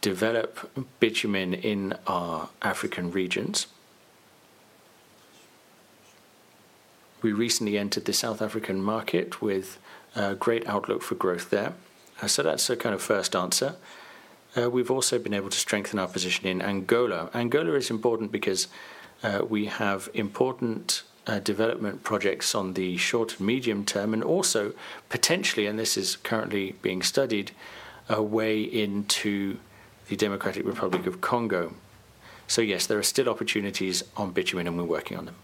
develop bitumen in our African regions. We recently entered the South African market with a great outlook for growth there. That's a kind of first answer. We've also been able to strengthen our position in Angola. Angola is important because we have important development projects on the short and medium term and also potentially, and this is currently being studied, a way into the Democratic Republic of Congo. Yes, there are still opportunities on bitumen, and we're working on them.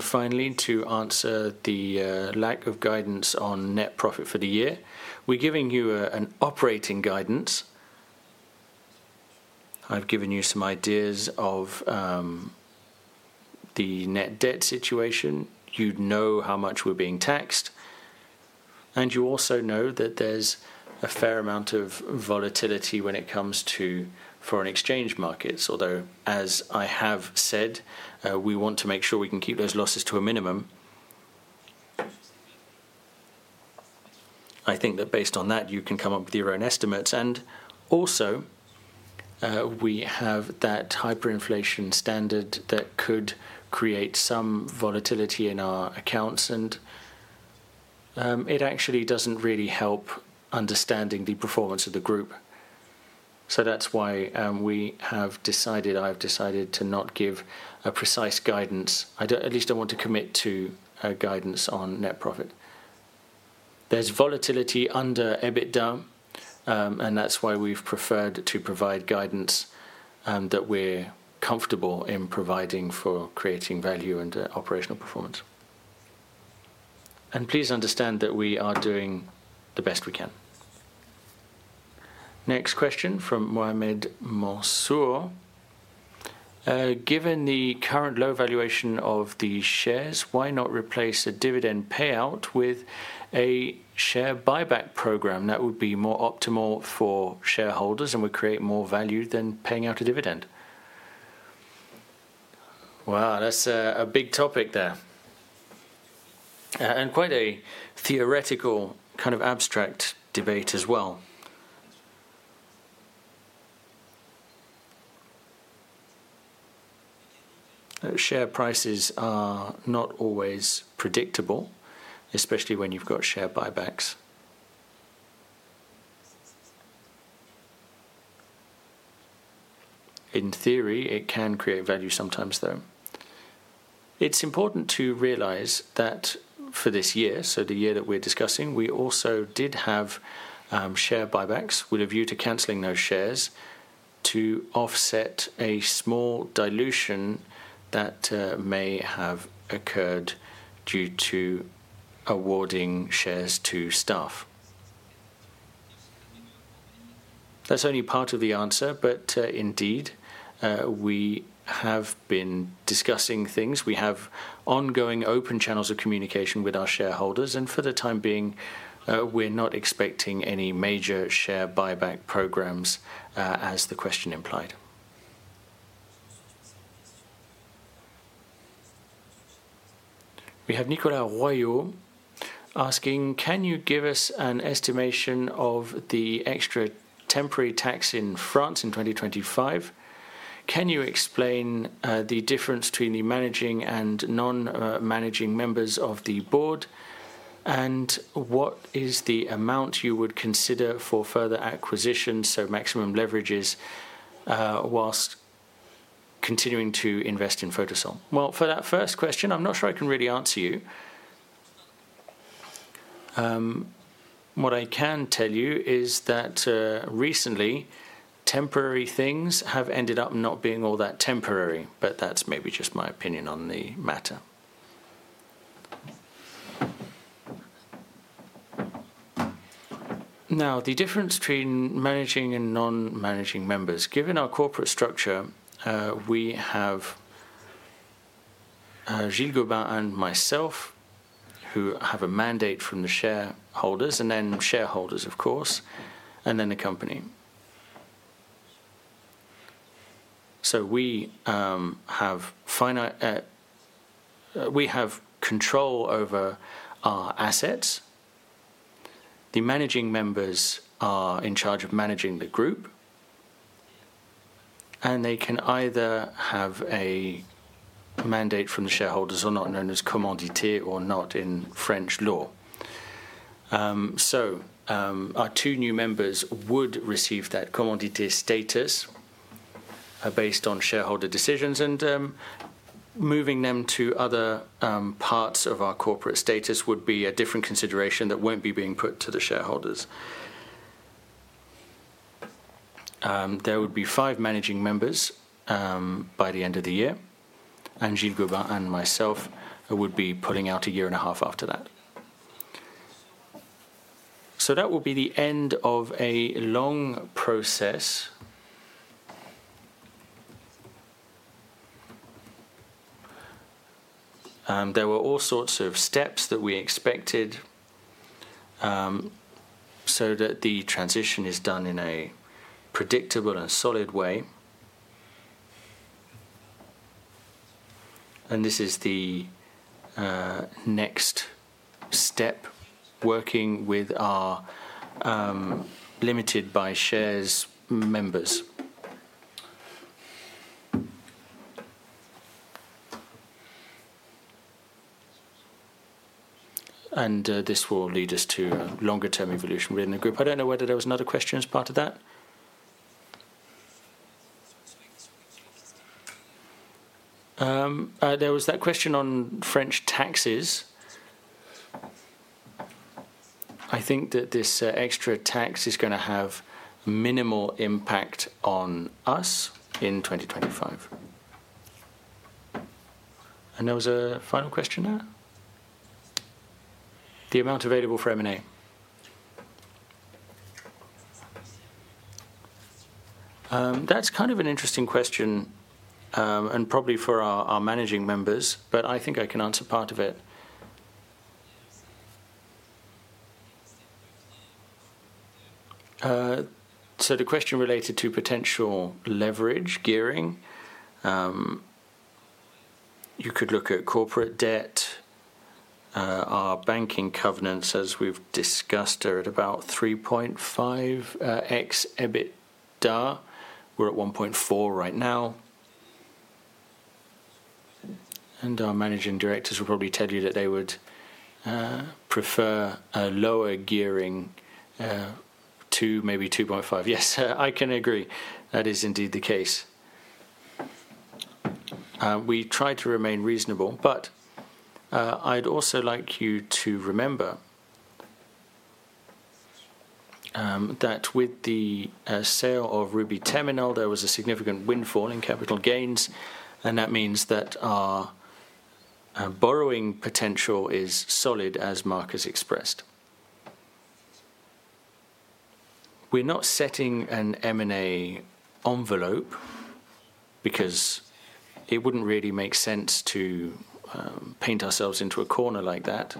Finally, to answer the lack of guidance on net profit for the year, we're giving you an operating guidance. I've given you some ideas of the net debt situation. You'd know how much we're being taxed, and you also know that there's a fair amount of volatility when it comes to foreign exchange markets, although, as I have said, we want to make sure we can keep those losses to a minimum. I think that based on that, you can come up with your own estimates. Also, we have that hyperinflation standard that could create some volatility in our accounts, and it actually doesn't really help understanding the performance of the group. That is why we have decided, I've decided to not give precise guidance. I at least don't want to commit to guidance on net profit. There's volatility under EBITDA, and that's why we've preferred to provide guidance that we're comfortable in providing for creating value and operational performance. Please understand that we are doing the best we can. Next question from Mohamed Mansour. Given the current low valuation of the shares, why not replace a dividend payout with a share buyback program? That would be more optimal for shareholders and would create more value than paying out a dividend. Wow, that's a big topic there. Quite a theoretical kind of abstract debate as well. Share prices are not always predictable, especially when you've got share buybacks. In theory, it can create value sometimes, though. It's important to realize that for this year, the year that we're discussing, we also did have share buybacks. We have a view to canceling those shares to offset a small dilution that may have occurred due to awarding shares to staff. That's only part of the answer, but indeed, we have been discussing things. We have ongoing open channels of communication with our shareholders, and for the time being, we're not expecting any major share buyback programs, as the question implied. We have Nicolas Royot asking, can you give us an estimation of the extra temporary tax in France in 2025? Can you explain the difference between the managing and non-managing members of the board, and what is the amount you would consider for further acquisition, so maximum leverages whilst continuing to invest in Photocell? For that first question, I'm not sure I can really answer you. What I can tell you is that recently, temporary things have ended up not being all that temporary, but that's maybe just my opinion on the matter. Now, the difference between managing and non-managing members, given our corporate structure, we have G. Gobin and myself who have a mandate from the shareholders, and then shareholders, of course, and then the company. We have control over our assets. The managing members are in charge of managing the group, and they can either have a mandate from the shareholders or not, known as commandité or not in French law. Our two new members would receive that commandité status based on shareholder decisions, and moving them to other parts of our corporate status would be a different consideration that will not be being put to the shareholders. There would be five managing members by the end of the year, and G. Gobin and myself would be pulling out a year and a half after that. That will be the end of a long process. There were all sorts of steps that we expected so that the transition is done in a predictable and solid way. This is the next step, working with our limited by shares members. This will lead us to a longer-term evolution within the group. I do not know whether there was another question as part of that. There was that question on French taxes. I think that this extra tax is going to have minimal impact on us in 2025. There was a final question there. The amount available for M&A. That is kind of an interesting question and probably for our managing members, but I think I can answer part of it. The question related to potential leverage gearing, you could look at corporate debt. Our banking covenants, as we have discussed, are at about 3.5x EBITDA. We are at 1.4 right now. Our Managing Directors will probably tell you that they would prefer a lower gearing to maybe 2.5. Yes, I can agree. That is indeed the case. We try to remain reasonable, but I'd also like you to remember that with the sale of Rubis Terminal, there was a significant windfall in capital gains, and that means that our borrowing potential is solid, as Marc has expressed. We're not setting an M&A envelope because it wouldn't really make sense to paint ourselves into a corner like that,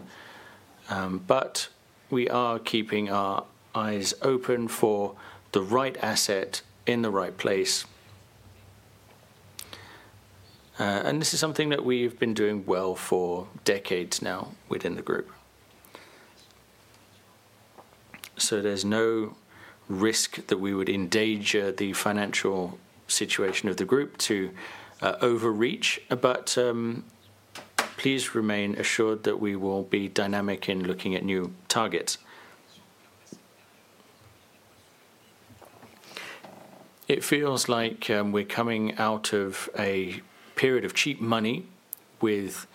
but we are keeping our eyes open for the right asset in the right place. This is something that we've been doing well for decades now within the group. There is no risk that we would endanger the financial situation of the group to overreach, but please remain assured that we will be dynamic in looking at new targets. It feels like we're coming out of a period of cheap money with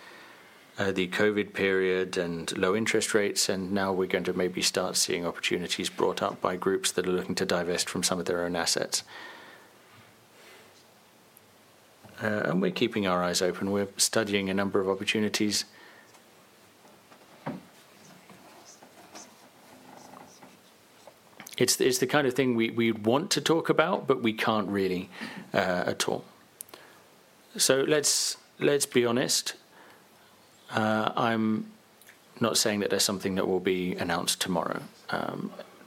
the COVID period and low interest rates, and now we're going to maybe start seeing opportunities brought up by groups that are looking to divest from some of their own assets. We're keeping our eyes open. We're studying a number of opportunities. It's the kind of thing we'd want to talk about, but we can't really at all. Let's be honest. I'm not saying that there's something that will be announced tomorrow.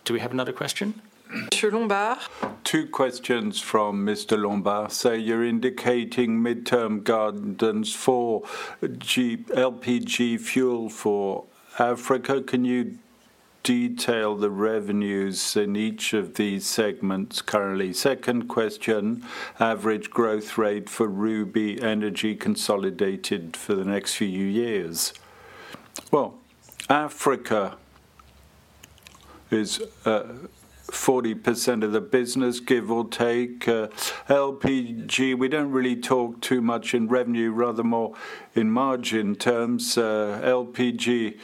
Do we have another question? M. Lombard. Two questions from Mr. Lombard. You're indicating midterm guidance for LPG fuel for Africa. Can you detail the revenues in each of these segments currently? Second question, average growth rate for Rubis Energy consolidated for the next few years? Africa is 40% of the business, give or take. LPG, we do not really talk too much in revenue, rather more in margin terms. LPG,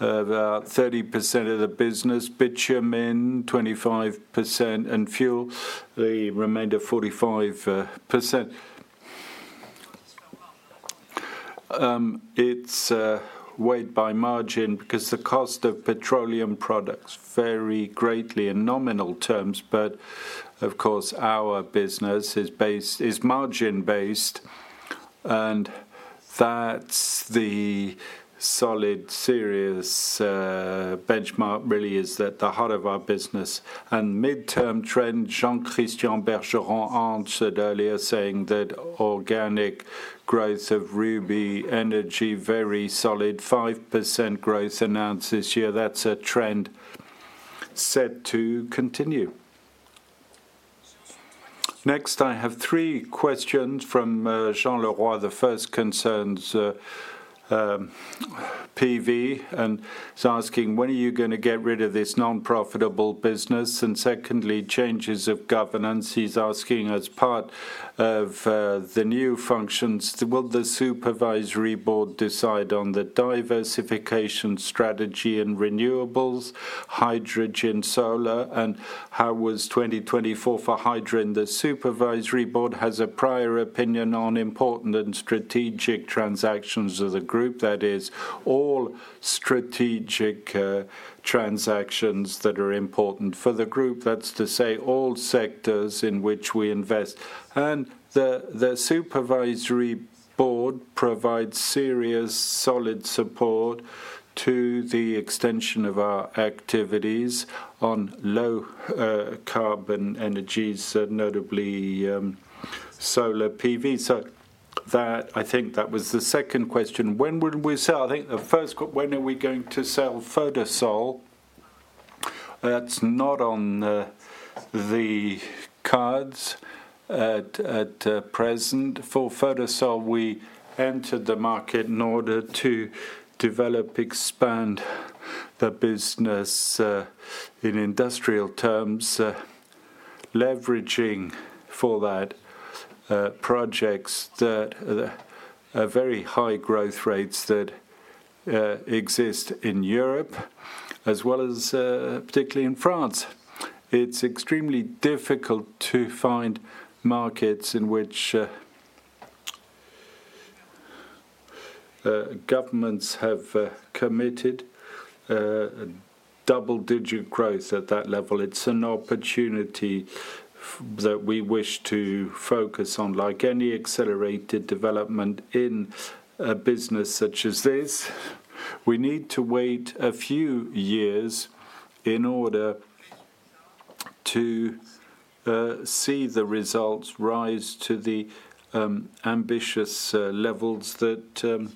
about 30% of the business. Bitumen, 25%, and fuel, the remainder 45%. It is weighed by margin because the cost of petroleum products vary greatly in nominal terms, but of course, our business is margin-based, and that is the solid, serious benchmark really is at the heart of our business. Midterm trend, Jean-Christian Bergeron answered earlier saying that organic growth of Rubis Energy is very solid, 5% growth announced this year. That is a trend set to continue. Next, I have three questions from Jean-Laurent. The first concerns PV, and he is asking, when are you going to get rid of this non-profitable business? Secondly, changes of governance. He is asking, as part of the new functions, will the Supervisory Board decide on the diversification strategy in renewables, hydrogen, solar, and how was 2024 for hydrogen? The Supervisory Board has a prior opinion on important and strategic transactions of the group. That is, all strategic transactions that are important for the group, that's to say all sectors in which we invest. The Supervisory Board provides serious, solid support to the extension of our activities on low-carbon energies, notably solar PV. I think that was the second question. When will we sell? I think the first question, when are we going to sell Photocell? That's not on the cards at present. For Photocell, we entered the market in order to develop, expand the business in industrial terms, leveraging for that projects that are very high growth rates that exist in Europe, as well as particularly in France. It's extremely difficult to find markets in which governments have committed double-digit growth at that level. It's an opportunity that we wish to focus on. Like any accelerated development in a business such as this, we need to wait a few years in order to see the results rise to the ambitious levels that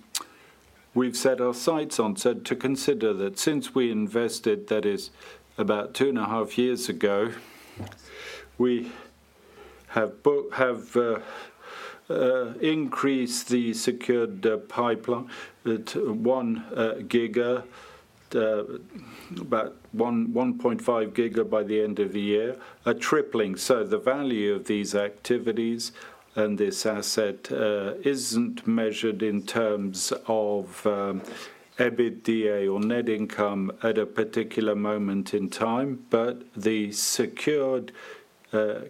we've set our sights on. To consider that since we invested, that is, about two and a half years ago, we have increased the secured pipeline to 1 giga, about 1.5 giga by the end of the year, a tripling. The value of these activities and this asset isn't measured in terms of EBITDA or net income at a particular moment in time, but the secured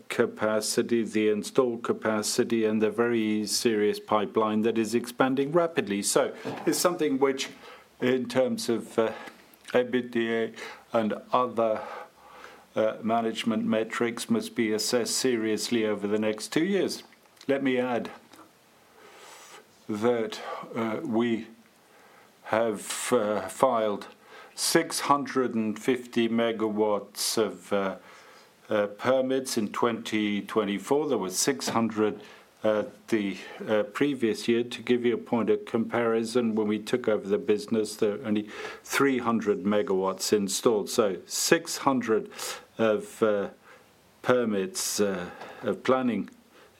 capacity, the installed capacity, and the very serious pipeline that is expanding rapidly. It is something which, in terms of EBITDA and other management metrics, must be assessed seriously over the next two years. Let me add that we have filed 650 megawatts of permits in 2024. There were 600 the previous year. To give you a point of comparison, when we took over the business, there were only 300 megawatts installed. 600 of permits of planning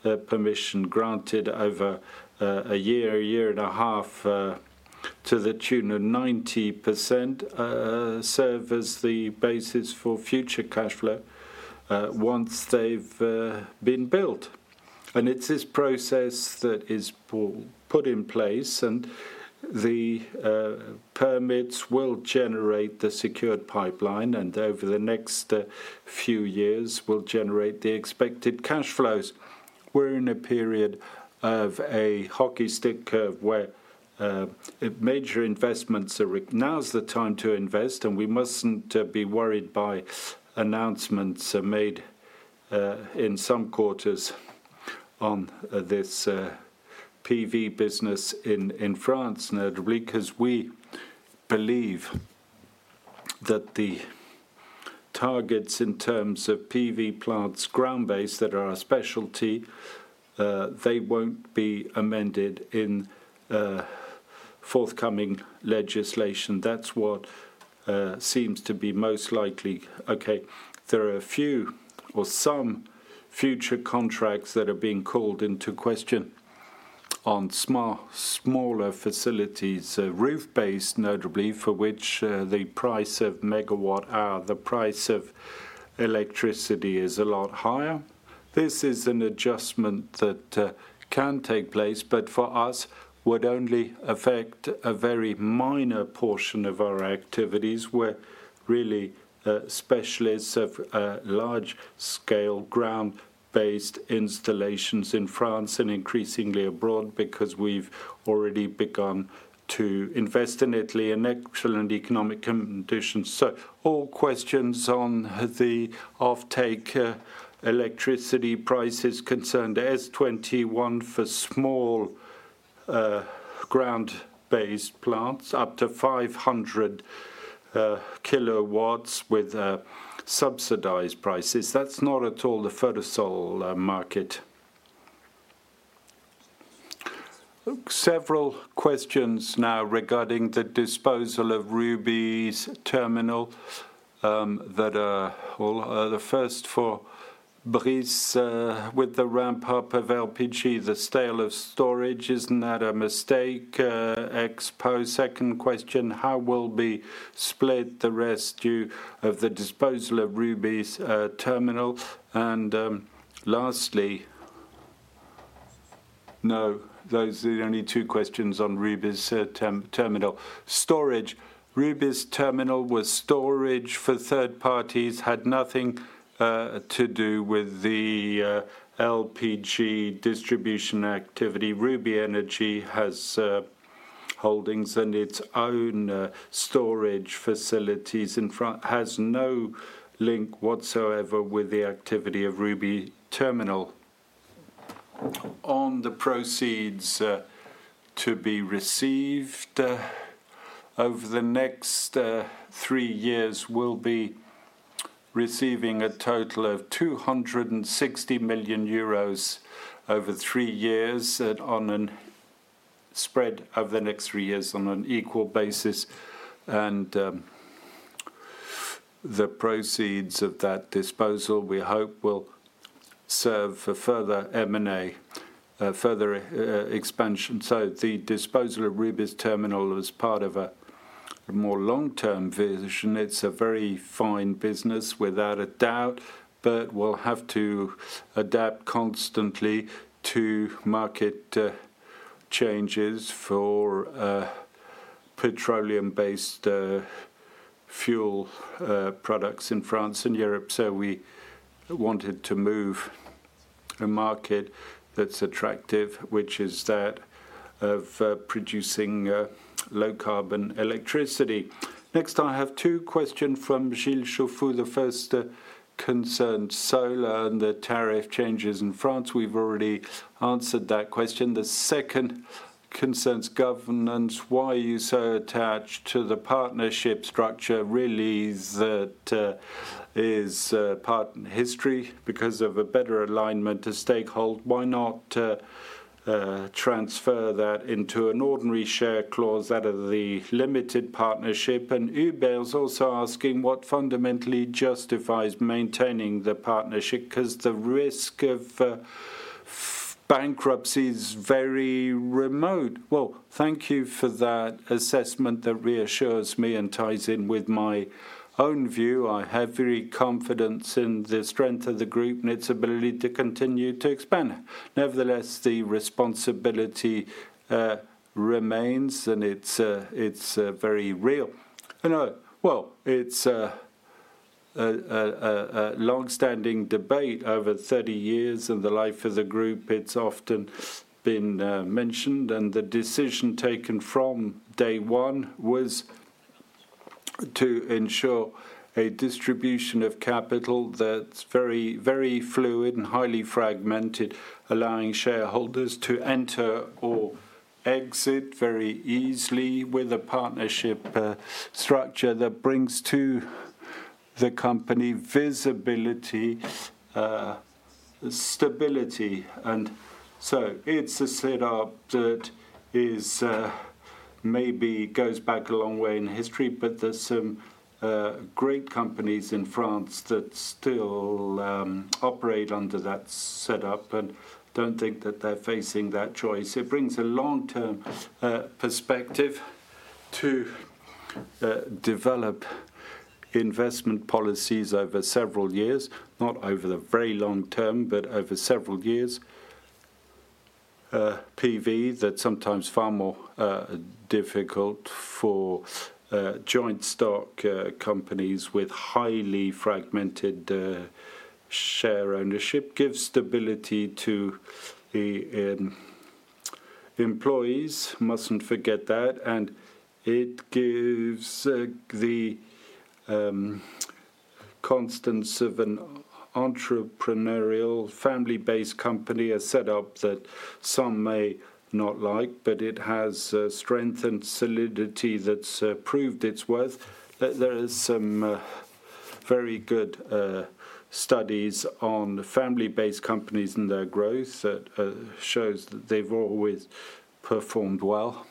permission granted over a year, a year and a half to the tune of 90% serve as the basis for future cash flow once they've been built. It is this process that is put in place, and the permits will generate the secured pipeline, and over the next few years, will generate the expected cash flows. We're in a period of a hockey stick curve where major investments are now's the time to invest, and we mustn't be worried by announcements made in some quarters on this PV business in France, notably because we believe that the targets in terms of PV plants, ground-based, that are our specialty, they won't be amended in forthcoming legislation. That is what seems to be most likely. Okay, there are a few or some future contracts that are being called into question on smaller facilities, roof-based, notably for which the price of megawatt-hour, the price of electricity is a lot higher. This is an adjustment that can take place, but for us, would only affect a very minor portion of our activities. We're really specialists of large-scale ground-based installations in France and increasingly abroad because we've already begun to invest in Italy in excellent economic conditions. All questions on the off-take electricity prices concerned S21 for small ground-based plants, up to 500 kilowatts with subsidized prices. That's not at all the Photocell market. Several questions now regarding the disposal of Rubis Terminal that are the first for Brice with the ramp-up of LPG, the sale of storage. Isn't that a mistake? Expo. Second question, how will we split the residue of the disposal of Rubis Terminal? Lastly, no, those are the only two questions on Rubis Terminal. Storage. Rubis Terminal was storage for third parties, had nothing to do with the LPG distribution activity. Rubis Energy has holdings and its own storage facilities in France, has no link whatsoever with the activity of Rubis Terminal. On the proceeds to be received, over the next three years, we'll be receiving a total of 260 million euros over three years on a spread of the next three years on an equal basis. The proceeds of that disposal, we hope, will serve for further M&A, further expansion. The disposal of Rubis Terminal is part of a more long-term vision. It's a very fine business, without a doubt, but we'll have to adapt constantly to market changes for petroleum-based fuel products in France and Europe. We wanted to move a market that's attractive, which is that of producing low-carbon electricity. Next, I have two questions from Gilles Chauffaud. The first concerns solar and the tariff changes in France. We've already answered that question. The second concerns governance. Why are you so attached to the partnership structure? Really, that is part of history because of a better alignment to stakeholders. Why not transfer that into an ordinary share clause out of the limited partnership? UBEL is also asking what fundamentally justifies maintaining the partnership because the risk of bankruptcy is very remote. Thank you for that assessment that reassures me and ties in with my own view. I have very confidence in the strength of the group and its ability to continue to expand. Nevertheless, the responsibility remains, and it's very real. It's a long-standing debate over 30 years in the life of the group. It's often been mentioned, and the decision taken from day one was to ensure a distribution of capital that's very fluid and highly fragmented, allowing shareholders to enter or exit very easily with a partnership structure that brings to the company visibility, stability. It's a setup that maybe goes back a long way in history, but there's some great companies in France that still operate under that setup and don't think that they're facing that choice. It brings a long-term perspective to develop investment policies over several years, not over the very long term, but over several years. PV, that's sometimes far more difficult for joint stock companies with highly fragmented share ownership, gives stability to the employees. Mustn't forget that. It gives the constancy of an entrepreneurial family-based company, a setup that some may not like, but it has strength and solidity that has proved its worth. There are some very good studies on family-based companies and their growth that show that they have always performed well.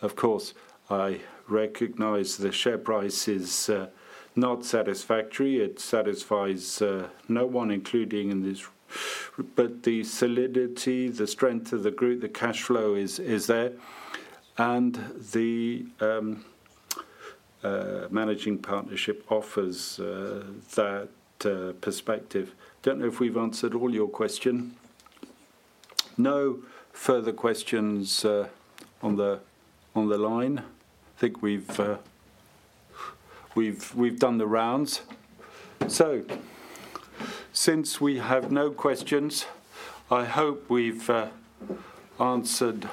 Of course, I recognize the share price is not satisfactory. It satisfies no one, including in this, but the solidity, the strength of the group, the cash flow is there. The managing partnership offers that perspective. I do not know if we have answered all your questions. No further questions on the line. I think we have done the rounds. Since we have no questions, I hope we have answered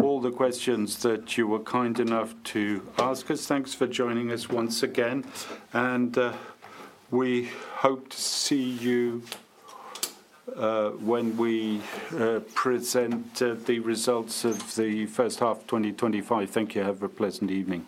all the questions that you were kind enough to ask us. Thanks for joining us once again. We hope to see you when we present the results of the first half of 2025. Thank you. Have a pleasant evening.